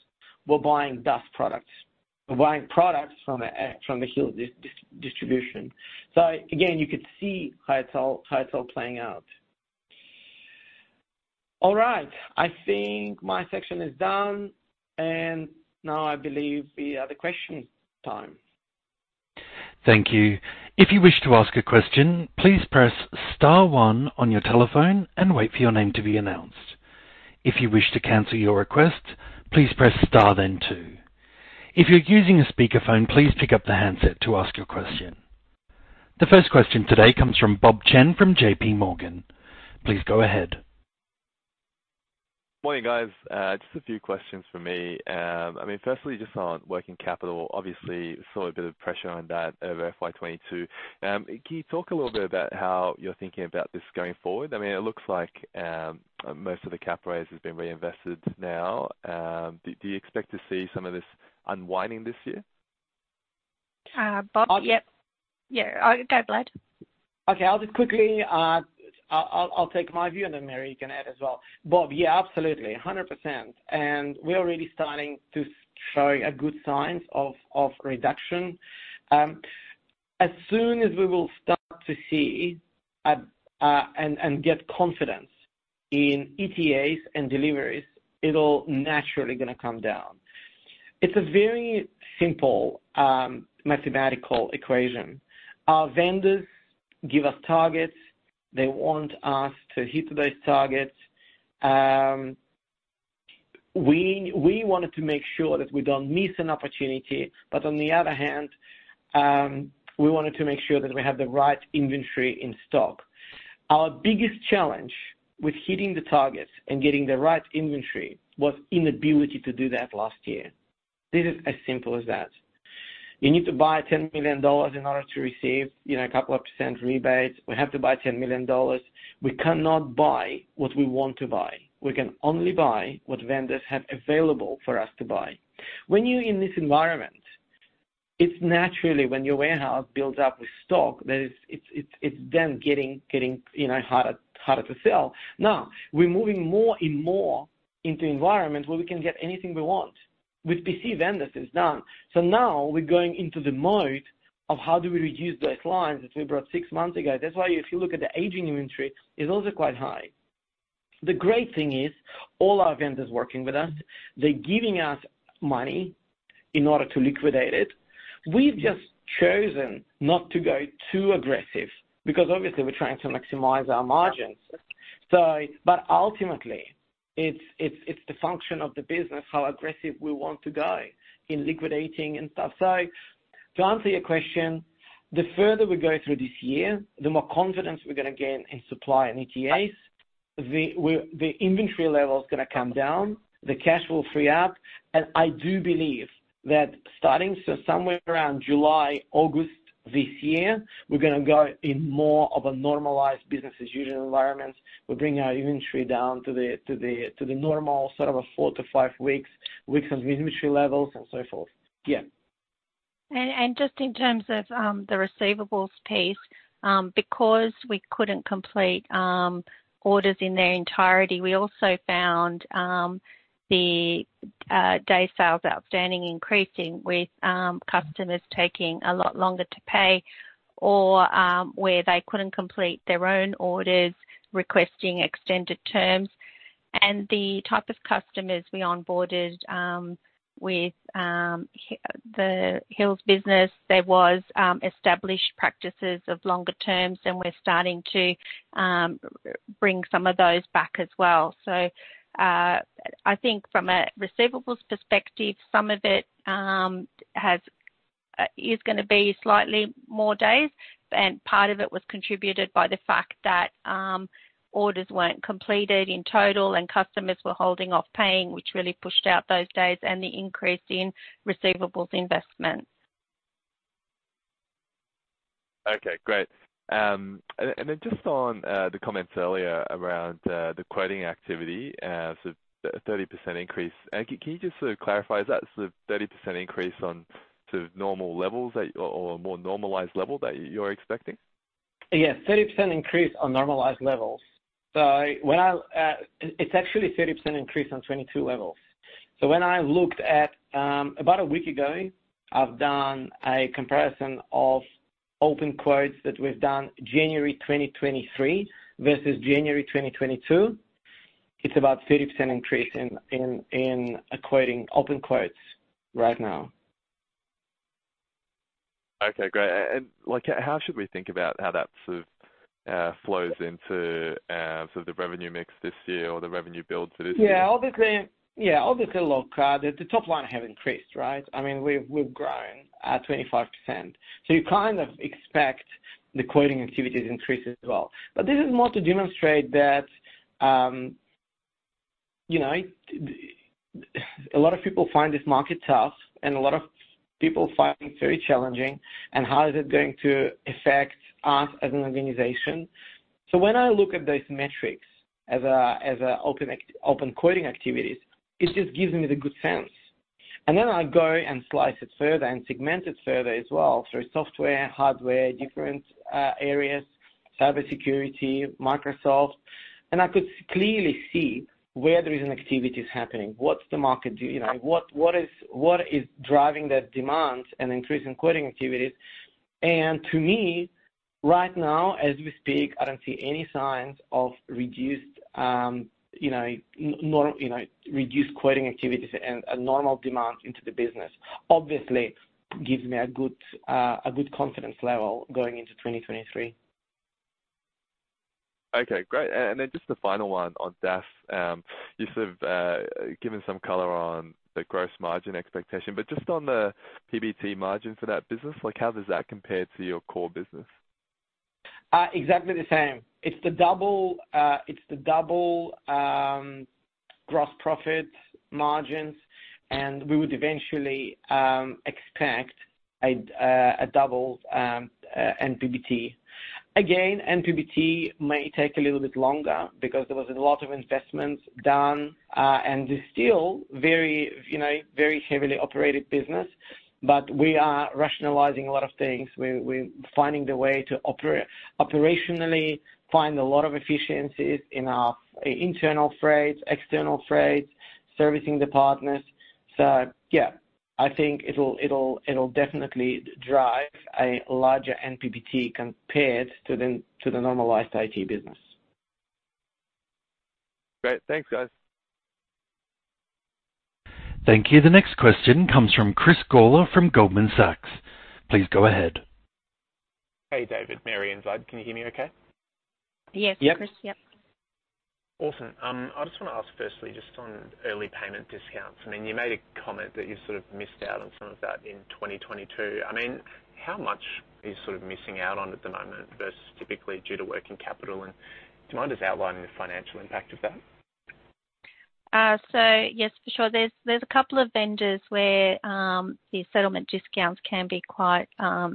were buying DAS products. Were buying products from the from the Hills distribution. Again, you could see how it's all, how it's all playing out. All right. I think my section is done, and now I believe we are the question time. Thank you. If you wish to ask a question, please press star one on your telephone and wait for your name to be announced. If you wish to cancel your request, please press star then two. If you're using a speakerphone, please pick up the handset to ask your question. The first question today comes from Bob Chen from JPMorgan. Please go ahead. Morning, guys. Just a few questions from me. Firstly just on working capital, obviously saw a bit of pressure on that over FY 2022. Can you talk a little bit about how you're thinking about this going forward? It looks like most of the cap raise has been reinvested now. Do you expect to see some of this unwinding this year? I'll-Bob, yep. Yeah. Go Vlad. Okay. I'll just quickly take my view and then Mary can add as well. Bob, yeah, absolutely, 100%. We're already starting to show good signs of reduction. As soon as we will start to see at and get confidence in ETAs and deliveries, it'll naturally gonna come down. It's a very simple mathematical equation. Our vendors give us targets. They want us to hit those targets. We wanted to make sure that we don't miss an opportunity, but on the other hand, we wanted to make sure that we have the right inventory in stock. Our biggest challenge with hitting the targets and getting the right inventory was inability to do that last year. This is as simple as that. You need to buy 10 million (Australian Dollar) in order to receive, you know, a couple of % rebates. We have to buy 10 million (Australian Dollar). We cannot buy what we want to buy. We can only buy what vendors have available for us to buy. When you're in this environment, it's naturally when your warehouse builds up with stock, it's then getting, you know, harder to sell. We're moving more and more into environments where we can get anything we want. With PC vendors, it's done. Now we're going into the mode of how do we reduce those lines that we brought six months ago. If you look at the aging inventory, it's also quite high. The great thing is all our vendors working with us, they're giving us money in order to liquidate it. We've just chosen not to go too aggressive because obviously we're trying to maximize our margins. But ultimately, it's, it's the function of the business, how aggressive we want to go in liquidating and stuff. To answer your question, the further we go through this year, the more confidence we're gonna gain in supply and ETAs. The inventory level is gonna come down, the cash will free up. I do believe that starting somewhere around July, August this year, we're gonna go in more of a normalized business as usual environment. We're bringing our inventory down to the normal sort of a four to five weeks of inventory levels and so forth. Yeah. Just in terms of the receivables piece, because we couldn't complete orders in their entirety, we also found the Days Sales Outstanding increasing with customers taking a lot longer to pay or where they couldn't complete their own orders, requesting extended terms. The type of customers we onboarded with the Hills business, there was established practices of longer terms, and we're starting to bring some of those back as well. I think from a receivables perspective, some of it is gonna be slightly more days, and part of it was contributed by the fact that orders weren't completed in total and customers were holding off paying, which really pushed out those days and the increase in receivables investments. Okay, great. Just on the comments earlier around the quoting activity, so 30% increase, can you just clarify, is that the 30% increase on sort of normal levels that or more normalized level that you're expecting? Yes, 30% increase on normalized levels. It's actually 30% increase on 2022 levels. When I looked at about a week ago, I've done a comparison of open quotes that we've done January 2023 versus January 2022. It's about 30% increase in quoting open quotes right now. Okay, great. Like, how should we think about how that sort of flows into sort of the revenue mix this year or the revenue build for this year? Obviously, look, the top line have increased, right? I mean, we've grown at 25%. You kind of expect the quoting activities increase as well. This is more to demonstrate that, you know, a lot of people find this market tough, and a lot of people find it very challenging, and how is it going to affect us as an organization. When I look at those metrics as a open quoting activities, it just gives me the good sense. I go and slice it further and segment it further as well. Software, hardware, different areas, cybersecurity, Microsoft. I could clearly see where there is an activity is happening, what's the market do, you know, what is driving that demand and increase in quoting activities. To me, right now, as we speak, I don't see any signs of reduced, you know, reduced quoting activities and a normal demand into the business. Obviously, it gives me a good, a good confidence level going into 2023. Okay, great. Just the final one on DAS. You sort of given some color on the gross margin expectation, but just on the PBT margin for that business, like how does that compare to your core business? Exactly the same. It's the double, it's the double gross profit margins, we would eventually expect a double NPBT. Again, NPBT may take a little bit longer because there was a lot of investments done, and it's still very, you know, very heavily operated business. We are rationalizing a lot of things. We're finding the way to operationally find a lot of efficiencies in our internal trades, external trades, servicing the partners. Yeah, I think it'll definitely drive a larger NPBT compared to the, to the normalized IT business. Great. Thanks, guys. Thank you. The next question comes from Chris Gawler from Goldman Sachs. Please go ahead. Hey, David, Mary inside. Can you hear me okay? Yes, Chris. Yep. Yep. Awesome. I just want to ask firstly, just on early payment discounts. I mean, you made a comment that you sort of missed out on some of that in 2022. I mean, how much are you sort of missing out on at the moment versus typically due to working capital? Do you mind just outlining the financial impact of that? Yes, for sure. There's a couple of vendors where the settlement discounts can be quite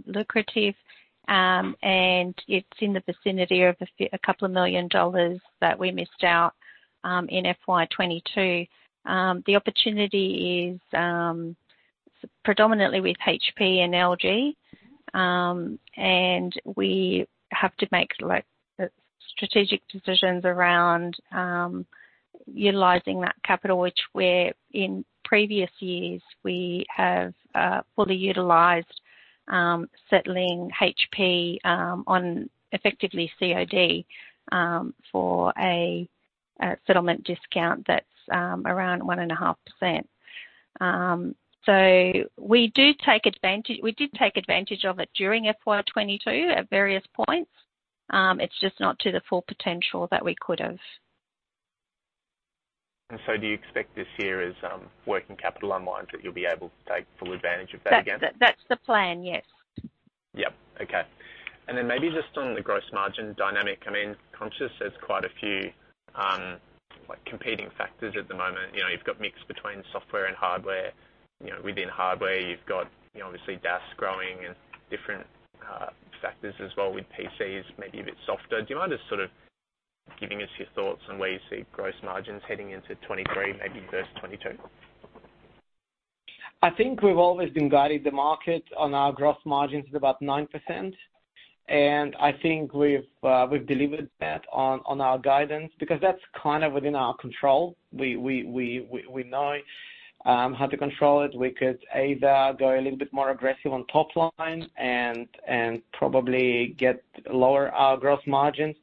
lucrative. It's in the vicinity of 2 million (Australian Dollar) that we missed out in FY 2022. The opportunity is predominantly with HP and LG. We have to make like strategic decisions around utilizing that capital, which we're in previous years, we have fully utilized, settling HP on effectively COD for a settlement discount that's around 1.5%. We did take advantage of it during FY 2022 at various points. It's just not to the full potential that we could have. Do you expect this year as working capital unwinds, that you'll be able to take full advantage of that again? That's the plan, yes. Yep. Okay. Maybe just on the gross margin dynamic, I mean, conscious there's quite a few, like competing factors at the moment. You know, you've got mix between software and hardware. You know, within hardware you've got, you know, obviously DAS growing and different factors as well, with PCs maybe a bit softer. Do you mind just sort of giving us your thoughts on where you see gross margins heading into 2023, maybe versus 2022? I think we've always been guiding the market on our gross margins at about 9%. I think we've delivered that on our guidance because that's kind of within our control. We know how to control it. We could either go a little bit more aggressive on top line and probably get lower our gross margins.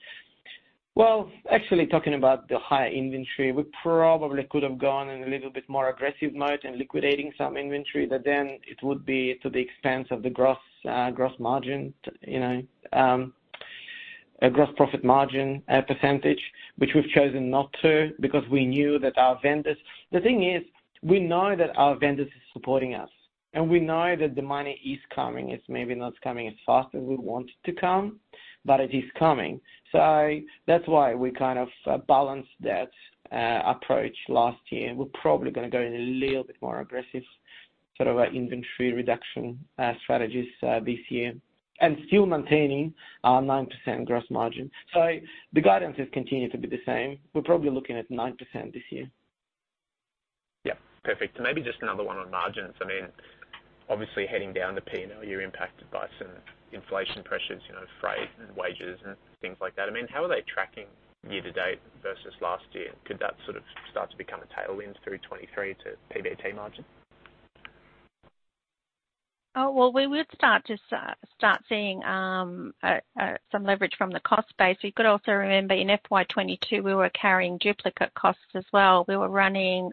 Actually talking about the high inventory, we probably could have gone in a little bit more aggressive mode in liquidating some inventory that then it would be to the expense of the gross margin, you know, a gross profit margin percentage, which we've chosen not to because we knew that our vendors. The thing is, we know that our vendors is supporting us, and we know that the money is coming. It's maybe not coming as fast as we want it to come, but it is coming. That's why we kind of balanced that approach last year. We're probably gonna go in a little bit more aggressive sort of inventory reduction strategies this year and still maintaining our 9% gross margin. The guidance has continued to be the same. We're probably looking at 9% this year. Yeah. Perfect. Maybe just another one on margins. I mean, obviously heading down to P&L, you're impacted by some inflation pressures, you know, freight and wages and things like that. I mean, how are they tracking year to date versus last year? Could that sort of start to become a tailwind through 2023 to PBT margin? Well, we would start seeing some leverage from the cost base. You could also remember in FY 2022, we were carrying duplicate costs as well. We were running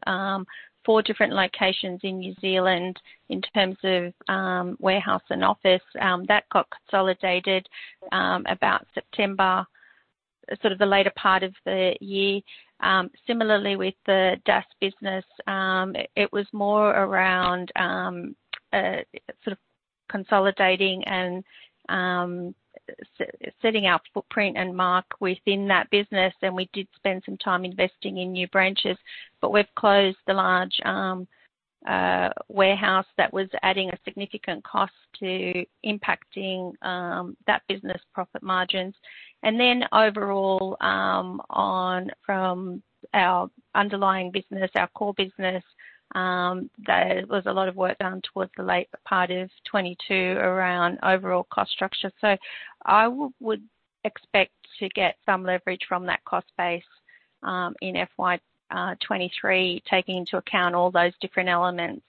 four different locations in New Zealand in terms of warehouse and office that got consolidated about September, sort of the later part of the year. Similarly, with the DAS business, it was more around sort of consolidating and setting our footprint and mark within that business. We did spend some time investing in new branches, but we've closed the large warehouse that was adding a significant cost to impacting that business profit margins. Overall, on from our underlying business, our core business, there was a lot of work done towards the late part of 2022 around overall cost structure. I would expect to get some leverage from that cost base in FY 2023, taking into account all those different elements.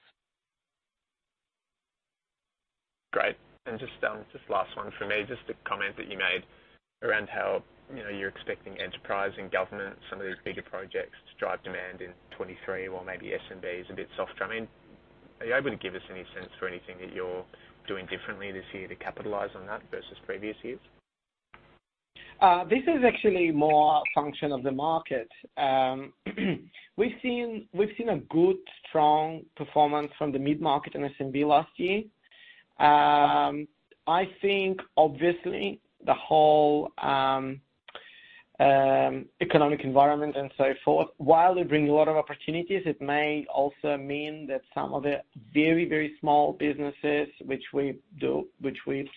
Great. Just last one from me. Just a comment that you made around how, you know, you're expecting enterprise and government, some of these bigger projects to drive demand in 2023, while maybe SMB is a bit softer. I mean, are you able to give us any sense for anything that you're doing differently this year to capitalize on that versus previous years? This is actually more a function of the market. We've seen a good strong performance from the mid-market and SMB last year. I think obviously the whole economic environment and so forth, while it brings a lot of opportunities, it may also mean that some of the very, very small businesses which we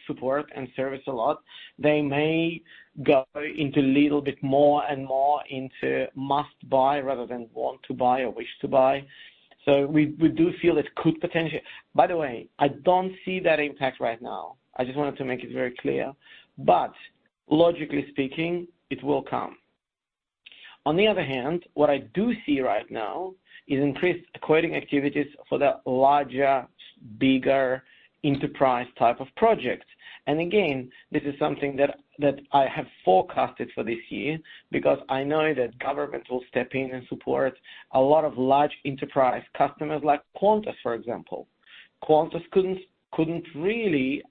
support and service a lot, they may go into little bit more and more into must buy rather than want to buy or wish to buy. We do feel it could potentially, by the way, I don't see that impact right now. I just wanted to make it very clear, but logically speaking, it will come. On the other hand, what I do see right now is increased quoting activities for the larger, bigger enterprise type of projects. Again, this is something that I have forecasted for this year because I know that government will step in and support a lot of large enterprise customers like Qantas, for example. Qantas couldn't really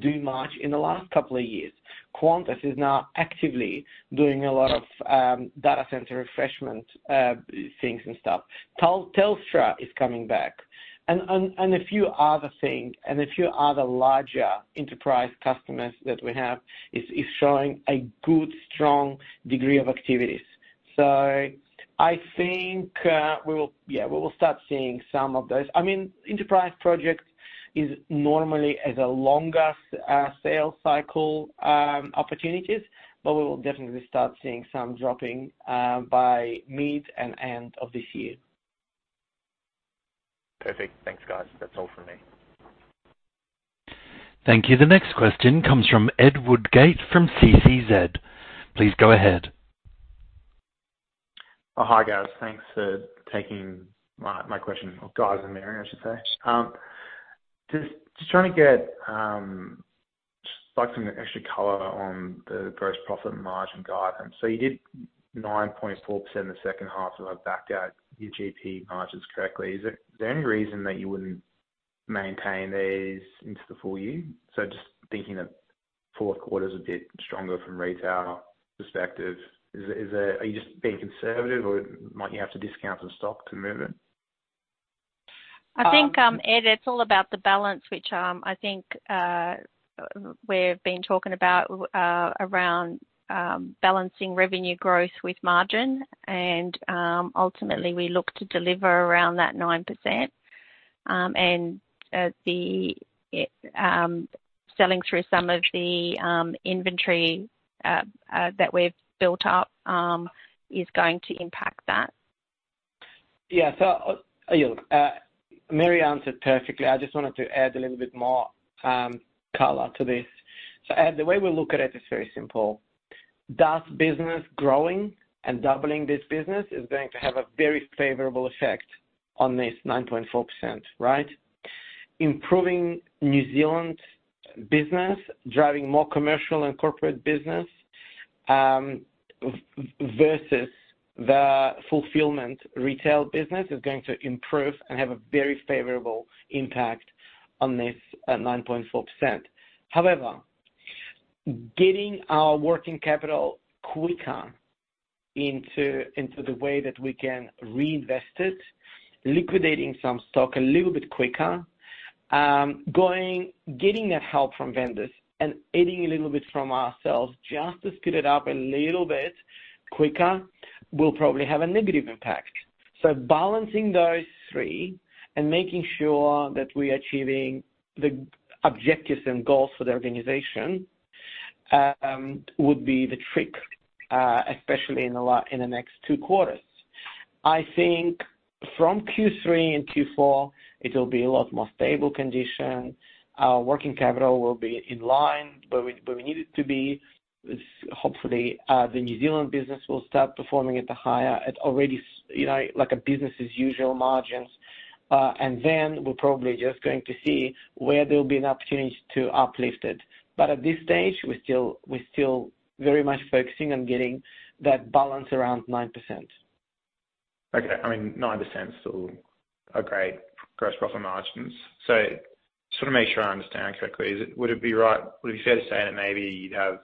do much in the last couple of years. Qantas is now actively doing a lot of data center refreshment, things and stuff. Telstra is coming back and a few other things, and a few other larger enterprise customers that we have is showing a good strong degree of activities. I think, we will, yeah, we will start seeing some of those. I mean, enterprise projects is normally as a longer sales cycle opportunities, but we will definitely start seeing some dropping by mid and end of this year. Perfect. Thanks, guys. That's all from me. Thank you. The next question comes from Ed Woodgate from CCZ. Please go ahead. Hi, guys. Thanks for taking my question. Or guys and Mary, I should say. just trying to get just like some extra color on the gross profit margin guidance. You did 9.4% in the second half, if I backed out your GP margins correctly. Is there any reason that you wouldn't maintain these into the full year? Just thinking that fourth quarter's a bit stronger from retail perspective. Are you just being conservative or might you have to discount some stock to move it? I think, Ed, it's all about the balance, which, I think, we've been talking about, around balancing revenue growth with margin. Ultimately we look to deliver around that 9%. The selling through some of the inventory that we've built up is going to impact that. Mary answered perfectly. I just wanted to add a little bit more color to this. Ed, the way we look at it is very simple. Does business growing and doubling this business is going to have a very favorable effect on this 9.4%, right? Improving New Zealand business, driving more commercial and corporate business, versus the fulfillment retail business is going to improve and have a very favorable impact on this 9.4%. However, getting our working capital quicker into the way that we can reinvest it, liquidating some stock a little bit quicker, getting that help from vendors and adding a little bit from ourselves just to speed it up a little bit quicker, will probably have a negative impact. Balancing those three and making sure that we're achieving the objectives and goals for the organization would be the trick, especially in the next two quarters. I think from Q3 and Q4, it'll be a lot more stable condition. Our working capital will be in line where we need it to be. Hopefully, the New Zealand business will start performing at a higher, at already you know, like a business' usual margins. We're probably just going to see where there will be an opportunity to uplift it. At this stage, we're still very much focusing on getting that balance around 9%. Okay. I mean, 9% is still a great gross profit margins. Just wanna make sure I understand correctly. Would it be fair to say that maybe you'd have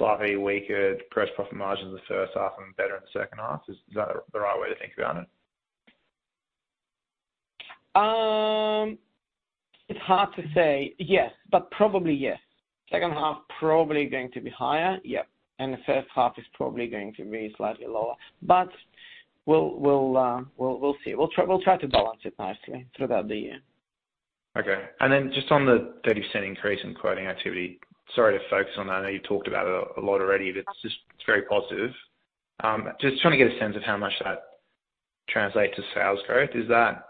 slightly weaker gross profit margins in the first half and better in the second half? Is that the right way to think about it? It's hard to say. Yes, but probably yes. Second half probably going to be higher. Yep. The first half is probably going to be slightly lower. We'll, we'll see. We'll try to balance it nicely throughout the year. Okay. Just on the 30% increase in quoting activity. Sorry to focus on that. I know you've talked about it a lot already. That's just, it's very positive. Just trying to get a sense of how much that translate to sales growth. Is that.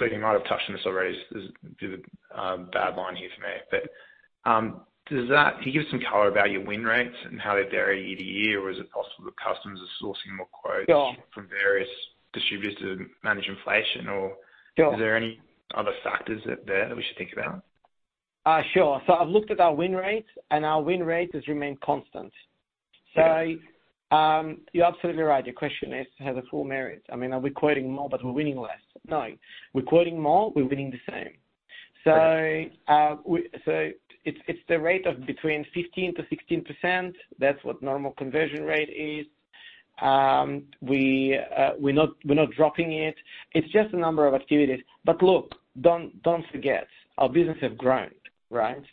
You might have touched on this already. This is a bit bad line here for me. Does that give us some color about your win rates and how they vary year to year? Or is it possible that customers are sourcing more quotes? Yeah. From various distributors to manage inflation? Or- Yeah. Is there any other factors out there that we should think about? Sure. I've looked at our win rates, and our win rates has remained constant. You're absolutely right. Your question is, has a full merit. I mean, are we quoting more but we're winning less? No. We're quoting more, we're winning the same. Great. It's the rate of between 15%-16%. That's what normal conversion rate is. We're not dropping it. It's just a number of activities. Look, don't forget, our business has grown, right?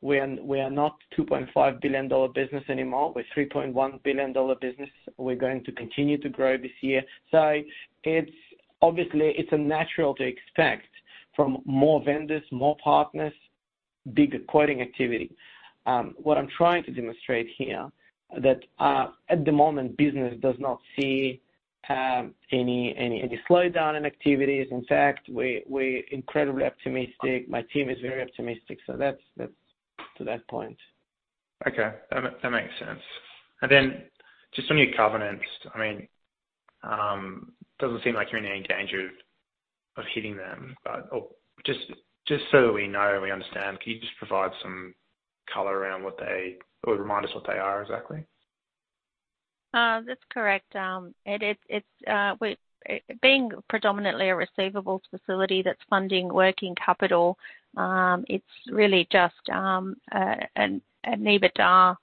We are not 2.5 billion (Australian Dollar) business anymore. We're 3.1 billion (Australian Dollar) business. We're going to continue to grow this year. It's obviously, it's a natural to expect from more vendors, more partners, bigger quoting activity. What I'm trying to demonstrate here, that at the moment, business does not see any slowdown in activities. In fact, we're incredibly optimistic. My team is very optimistic. That's to that point. Okay. That makes sense. Just on your covenants, I mean, doesn't seem like you're in any danger of hitting them. Just so that we know and we understand, can you just provide some color around or remind us what they are exactly? That's correct. Ed, Being predominantly a receivable facility that's funding working capital, it's really just an EBITDA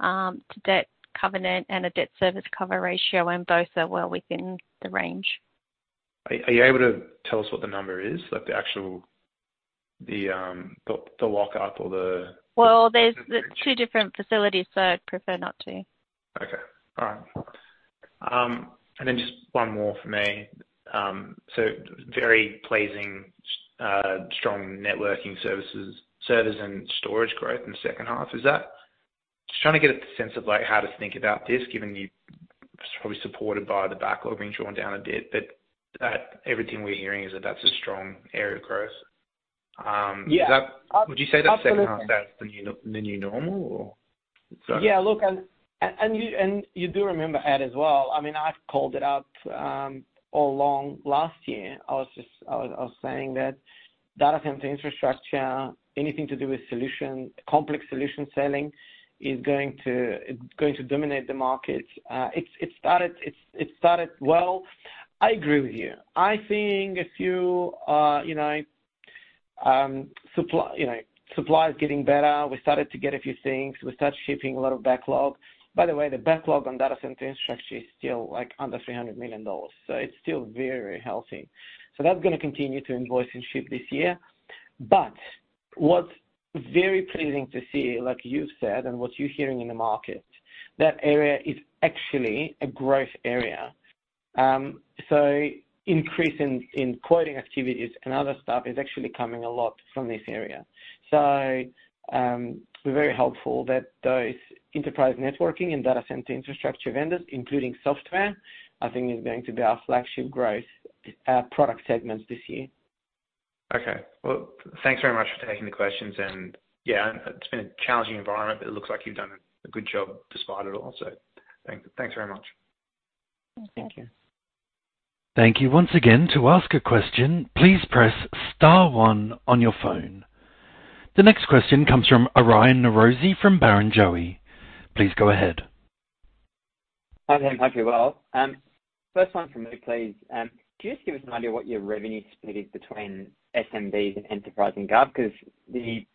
to debt covenant and a Debt Service Coverage Ratio, and both are well within the range. Are you able to tell us what the number is, like the actual, the lockup or the? There's two different facilities, so I'd prefer not to. Okay. All right. Just one more for me. Very pleasing, strong networking services, service and storage growth in the second half. Just trying to get a sense of, like, how to think about this, given you're probably supported by the backlog being drawn down a bit, but everything we're hearing is that that's a strong area of growth. Yeah. Would you say that second half? Absolutely. That's the new normal or? Go on. Yeah, look, you do remember, Ed, as well. I mean, I've called it out all along last year. I was saying that data center infrastructure, anything to do with solution, complex solution selling is going to dominate the market. It started well. I agree with you. I think if you know, supply is getting better. We started to get a few things. We started shipping a lot of backlog. By the way, the backlog on data center infrastructure is still, like, under $300 million. It's still very healthy. That's gonna continue to invoice and ship this year. What's very pleasing to see, like you've said and what you're hearing in the market, that area is actually a growth area. Increase in quoting activities and other stuff is actually coming a lot from this area. We're very hopeful that those enterprise networking and data center infrastructure vendors, including software, I think is going to be our flagship growth, product segments this year. Okay. Well, thanks very much for taking the questions. Yeah, it's been a challenging environment. It looks like you've done a good job despite it all. Thanks very much. Thank you. Thank you. Thank you once again. To ask a question, please press star one on your phone. The next question comes from Aryan Norozi from Barrenjoey. Please go ahead. Hi, team. Hope you're well. First one for me, please. Can you just give us an idea of what your revenue split is between SMBs and enterprise and gov? 'Cause the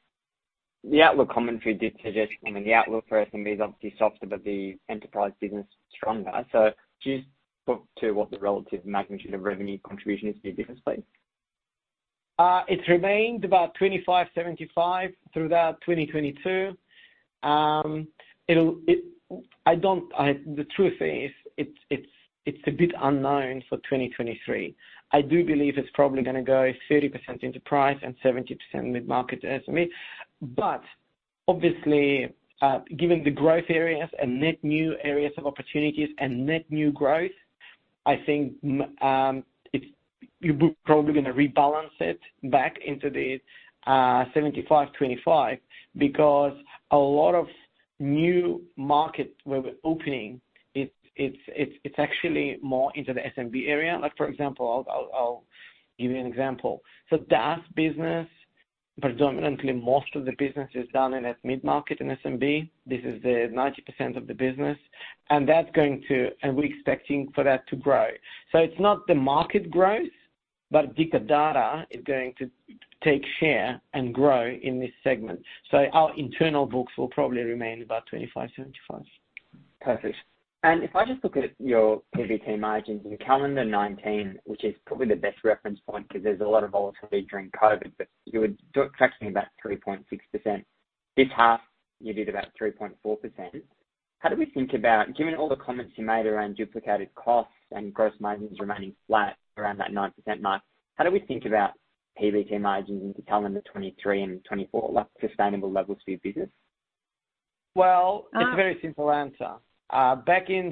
outlook commentary did suggest, I mean, the outlook for SMB is obviously softer, but the enterprise business is stronger. Can you just talk to what the relative magnitude of revenue contribution is for your business, please? It's remained about 25%-75% throughout 2022. The truth is, it's a bit unknown for 2023. I do believe it's probably gonna go 30% enterprise and 70% mid-market SMB. Obviously, given the growth areas and net new areas of opportunities and net new growth, I think it's, you're probably gonna rebalance it back into the 75%-25% because a lot of new markets where we're opening, it's actually more into the SMB area. Like, for example, I'll give you an example. DAS business, predominantly most of the business is done in that mid-market and SMB. This is the 90% of the business, and we're expecting for that to grow. It's not the market growth, but Dicker Data is going to take share and grow in this segment. Our internal books will probably remain about 25%, 75%. Perfect. If I just look at your PBT margins in calendar 2019, which is probably the best reference point 'cause there's a lot of volatility during COVID, but you were tracking about 3.6%. This half, you did about 3.4%. How do we think about, given all the comments you made around duplicated costs and gross margins remaining flat around that 9% mark, how do we think about PBT margins into calendar 2023 and 2024, like sustainable levels for your business? Well- Um- It's a very simple answer. Back in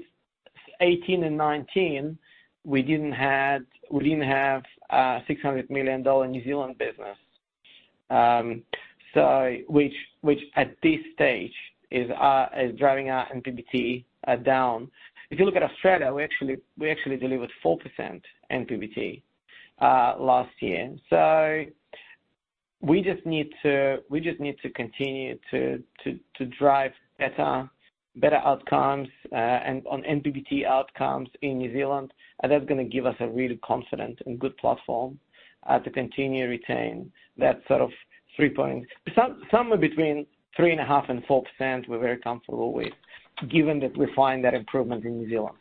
2018 and 2019, we didn't have a 600 million (New Zealand Dollar) New Zealand business. Which at this stage is driving our NPBT down. If you look at Australia, we actually delivered 4% NPBT last year. We just need to continue to drive better outcomes and on NPBT outcomes in New Zealand, and that's gonna give us a really confident and good platform to continue to retain that sort of somewhere between 3.5%-4%, we're very comfortable with, given that we find that improvement in New Zealand.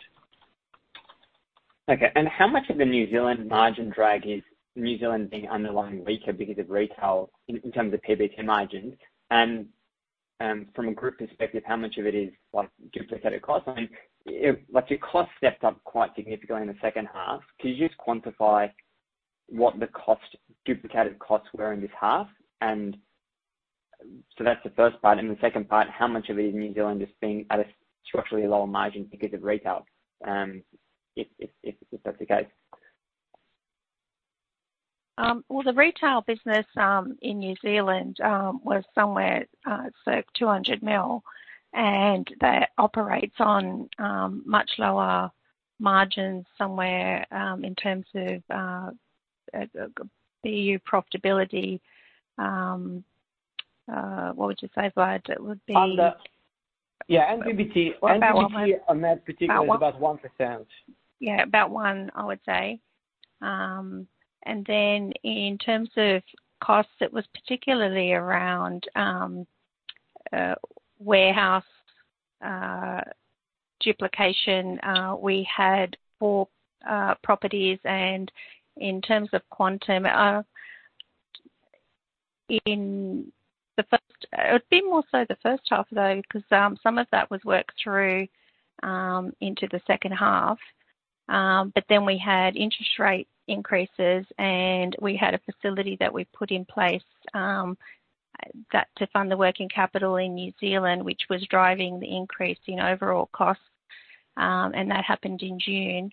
Okay. How much of the New Zealand margin drag is New Zealand being underlying weaker because of retail in terms of PBT margins? From a group perspective, how much of it is, like, duplicated costs? I mean, like your cost stepped up quite significantly in the second half. Can you just quantify what the cost, duplicated costs were in this half? That's the first part. The second part, how much of it is New Zealand just being at a structurally lower margin because of retail, if that's the case? The retail business in New Zealand was somewhere so 200 million (New Zealand Dollar), and that operates on much lower margins somewhere in terms of the profitability. What would you say, Vlad? Yeah, NPBT. About one- NPBT on that particularly. About one- is about 1%. Yeah, about one, I would say. In terms of costs, it was particularly around warehouse logistics duplication, we had four properties. In terms of quantum, in the first. It would be more so the first half, though, 'cause some of that was worked through into the second half. We had interest rate increases, and we had a facility that we put in place that to fund the working capital in New Zealand, which was driving the increase in overall costs, and that happened in June.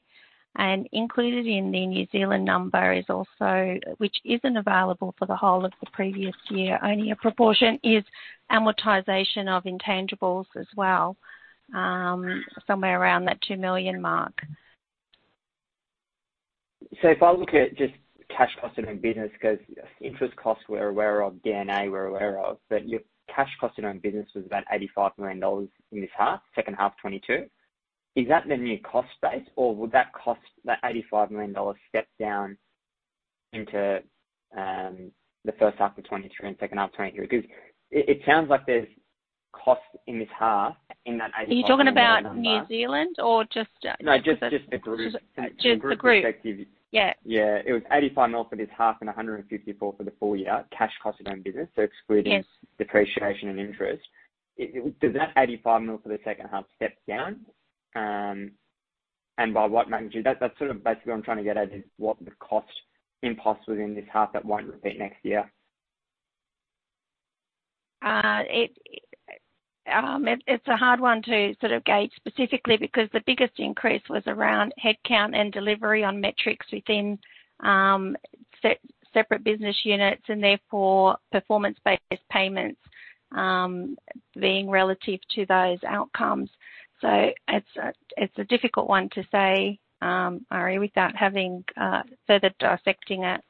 Included in the New Zealand number is also, which isn't available for the whole of the previous year, only a proportion is amortization of intangibles as well, somewhere around that 2 million (New Zealand Dollar) mark. If I look at just cash cost in our business, 'cause interest costs we're aware of, DNA we're aware of, but your cash cost in our business was about 85 million (Australian Dollar) in this half, second half 2022. Is that then your cost base, or would that cost, that 85 million (Australian Dollar) step down into the first half of 2023 and second half of 2023? It sounds like there's costs in this half in that 85 million (Australian Dollar). Are you talking about New Zealand or just? No, just the group. Just the group. Yeah. It was 85 million (Australian Dollar) for this half and 154 million (Australian Dollar) for the full year, cash cost of own business, so excluding- Yes. -depreciation and interest. Does that 85 million (Australian Dollar) for the second half step down? By what magnitude? That's sort of basically what I'm trying to get at is what the cost impulse within this half that won't repeat next year. It's a hard one to sort of gauge specifically because the biggest increase was around headcount and delivery on metrics within separate business units and therefore performance-based payments being relative to those outcomes. It's a difficult one to say, Aryan, without having further dissecting it.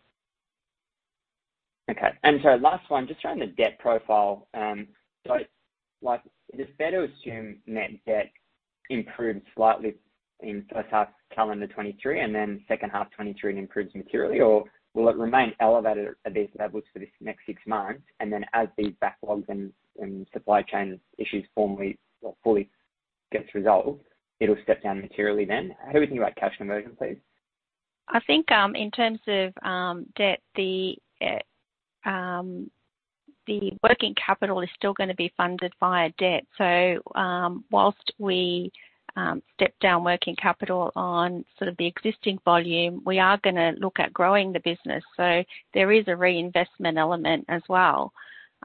Okay. Last one, just around the debt profile. Like, is it fair to assume net debt improved slightly in first half calendar 2023 and then second half 2023 it improves materially? Will it remain elevated at these levels for this next six months and then as these backlogs and supply chain issues formally or fully gets resolved, it'll step down materially then? How are we thinking about cash conversion, please? I think, in terms of debt, the working capital is still gonna be funded via debt. Whilst we step down working capital on sort of the existing volume, we are gonna look at growing the business. There is a reinvestment element as well.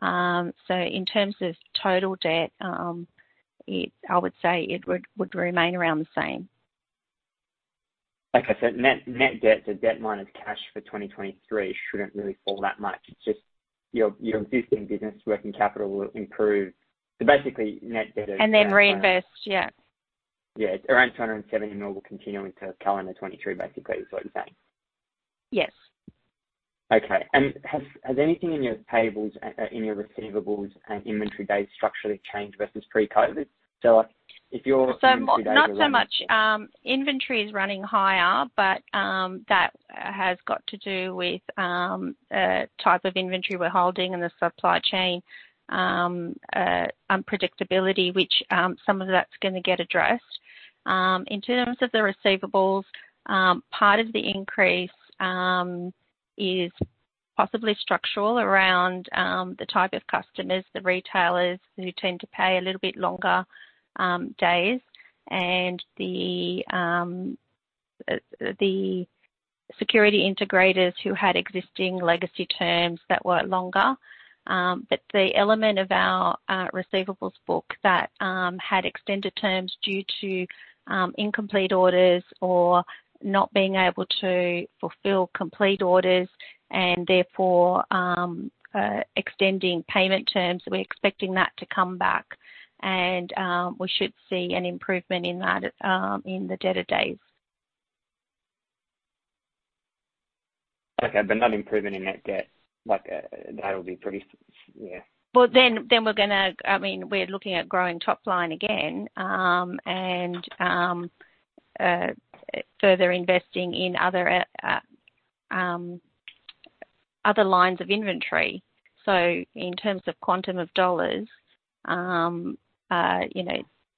In terms of total debt, I would say it would remain around the same. Okay. net debt, the debt minus cash for 2023 shouldn't really fall that much. It's just your existing business working capital will improve. basically net debt is- Then reinvest. Yeah. Yeah. It's around 270 million (Australian Dollar) will continue into calendar 2023, basically, is what you're saying. Yes. Okay. Has anything in your payables, in your receivables and inventory days structurally changed versus pre-COVID? like, if your inventory days are running. Not so much inventory is running higher, but that has got to do with a type of inventory we're holding in the supply chain unpredictability, which some of that's gonna get addressed. In terms of the receivables, part of the increase is possibly structural around the type of customers, the retailers who tend to pay a little bit longer days and the security integrators who had existing legacy terms that were longer. But the element of our receivables book that had extended terms due to incomplete orders or not being able to fulfill complete orders and therefore extending payment terms, we're expecting that to come back and we should see an improvement in that in the debtor days. Okay. Not improvement in net debt. Like, that'll be pretty, yeah. Well, I mean, we're looking at growing top line again, and further investing in other lines of inventory. In terms of quantum of dollars, you know,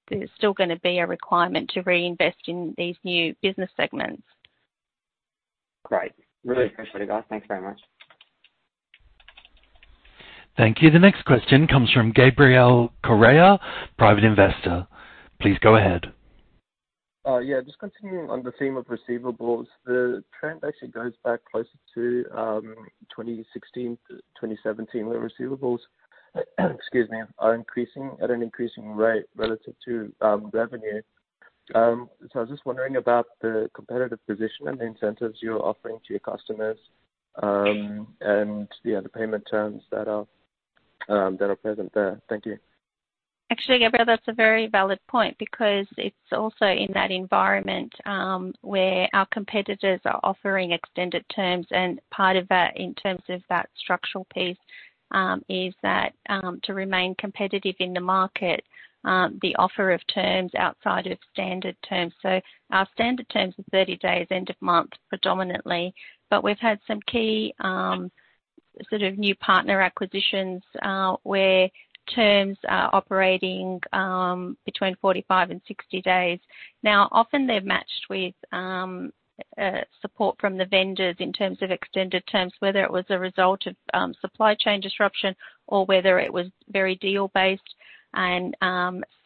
there's still gonna be a requirement to reinvest in these new business segments. Great. Really appreciate it, guys. Thanks very much. Thank you. The next question comes from Gabriel Correa, Private Investor. Please go ahead. Yeah, just continuing on the theme of receivables. The trend actually goes back closer to 2016 to 2017, where receivables, excuse me, are increasing at an increasing rate relative to revenue. I was just wondering about the competitive position and the incentives you're offering to your customers, and yeah, the payment terms that are present there. Thank you. Actually, Gabriel, that's a very valid point because it's also in that environment where our competitors are offering extended terms, and part of that in terms of that structural piece is that to remain competitive in the market, the offer of terms outside of standard terms. Our standard terms are 30 days, end of month predominantly, but we've had some key, Sort of new partner acquisitions, where terms are operating between 45 and 60 days. Often they've matched with support from the vendors in terms of extended terms, whether it was a result of supply chain disruption or whether it was very deal based and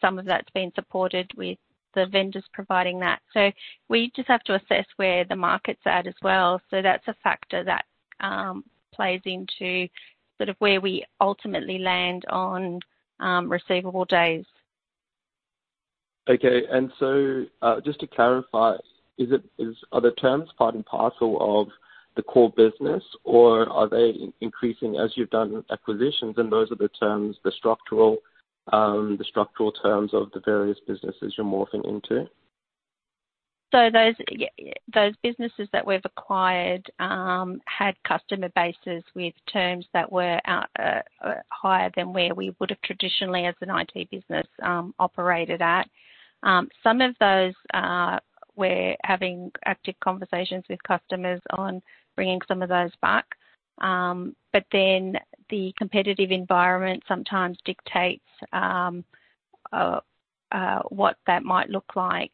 some of that's been supported with the vendors providing that. We just have to assess where the market's at as well. That's a factor that plays into sort of where we ultimately land on, receivable days. Okay. Just to clarify, are the terms part and parcel of the core business, or are they increasing as you've done acquisitions and those are the terms, the structural, the structural terms of the various businesses you're morphing into? Those businesses that we've acquired, had customer bases with terms that were at higher than where we would have traditionally as an IT business, operated at. Some of those, we're having active conversations with customers on bringing some of those back. The competitive environment sometimes dictates what that might look like.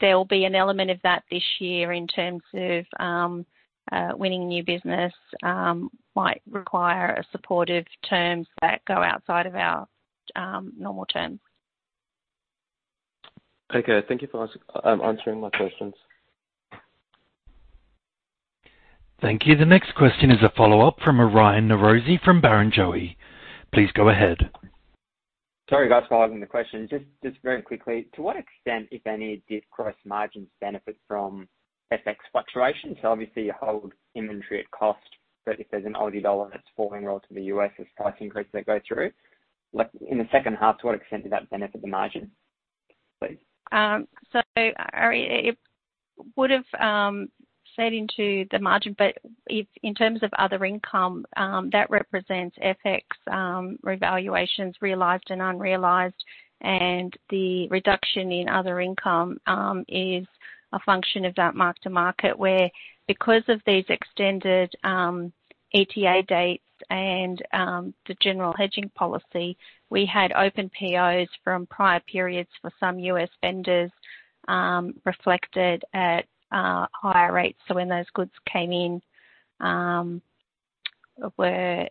There'll be an element of that this year in terms of winning new business, might require a supportive terms that go outside of our normal terms. Okay. Thank you for answering my questions. Thank you. The next question is a follow-up from Aryan Norozi from Barrenjoey. Please go ahead. Sorry, guys, for asking the question. Just very quickly, to what extent, if any, did gross margins benefit from FX fluctuation? Obviously you hold inventory at cost, but if there's an Aussie dollar that's falling relative to the U.S. as price increases go through, like in the second half, to what extent did that benefit the margin, please? Aryan, it would have fed into the margin, but if in terms of other income, that represents FX revaluations realized and unrealized, and the reduction in other income is a function of that mark-to-market where because of these extended ETA dates and the general hedging policy, we had open POs from prior periods for some U.S. vendors, reflected at higher rates. When those goods came in, were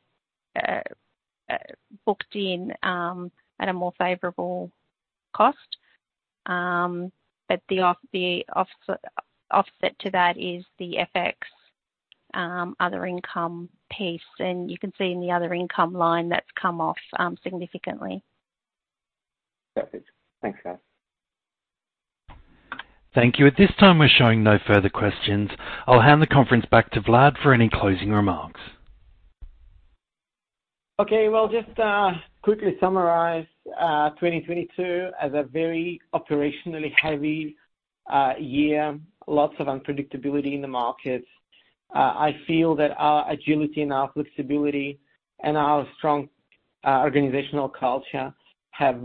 booked in at a more favorable cost. The off-offset to that is the FX other income piece. You can see in the other income line that's come off significantly. Got it. Thanks, guys. Thank you. At this time, we're showing no further questions. I'll hand the conference back to Vlad for any closing remarks. Well, just quickly summarize 2022 as a very operationally heavy year. Lots of unpredictability in the markets. I feel that our agility and our flexibility and our strong organizational culture have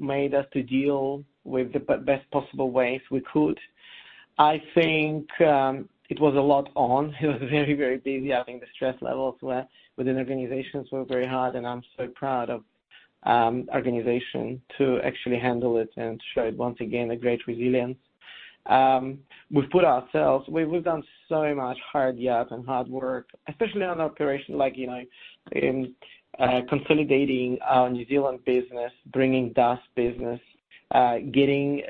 made us to deal with the best possible ways we could. I think it was a lot on. It was very, very busy. I think the stress levels within organizations were very hard, and I'm so proud of organization to actually handle it and show once again a great resilience. We've done so much hard yards and hard work, especially on operation like, you know, in consolidating our New Zealand business, bringing DAS business, getting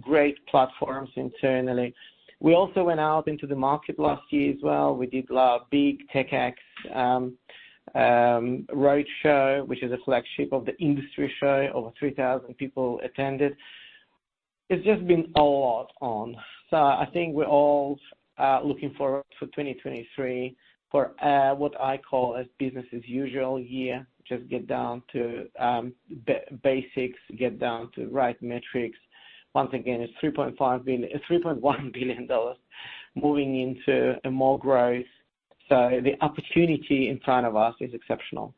great platforms internally. We also went out into the market last year as well. We did a big TechX roadshow, which is a flagship of the industry show. Over 3,000 people attended. It's just been a lot on. I think we're all looking forward for 2023 for what I call a business as usual year. Just get down to basics, get down to right metrics. Once again, it's 3.1 billion (Australian Dollar) moving into a more growth. The opportunity in front of us is exceptional.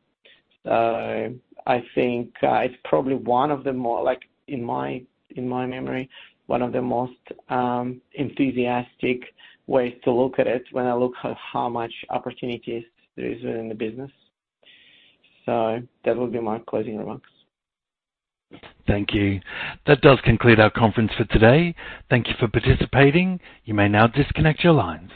I think it's probably one of the more, like in my, in my memory, one of the most enthusiastic ways to look at it when I look at how much opportunities there is within the business. That would be my closing remarks. Thank you. That does conclude our conference for today. Thank you for participating. You may now disconnect your lines.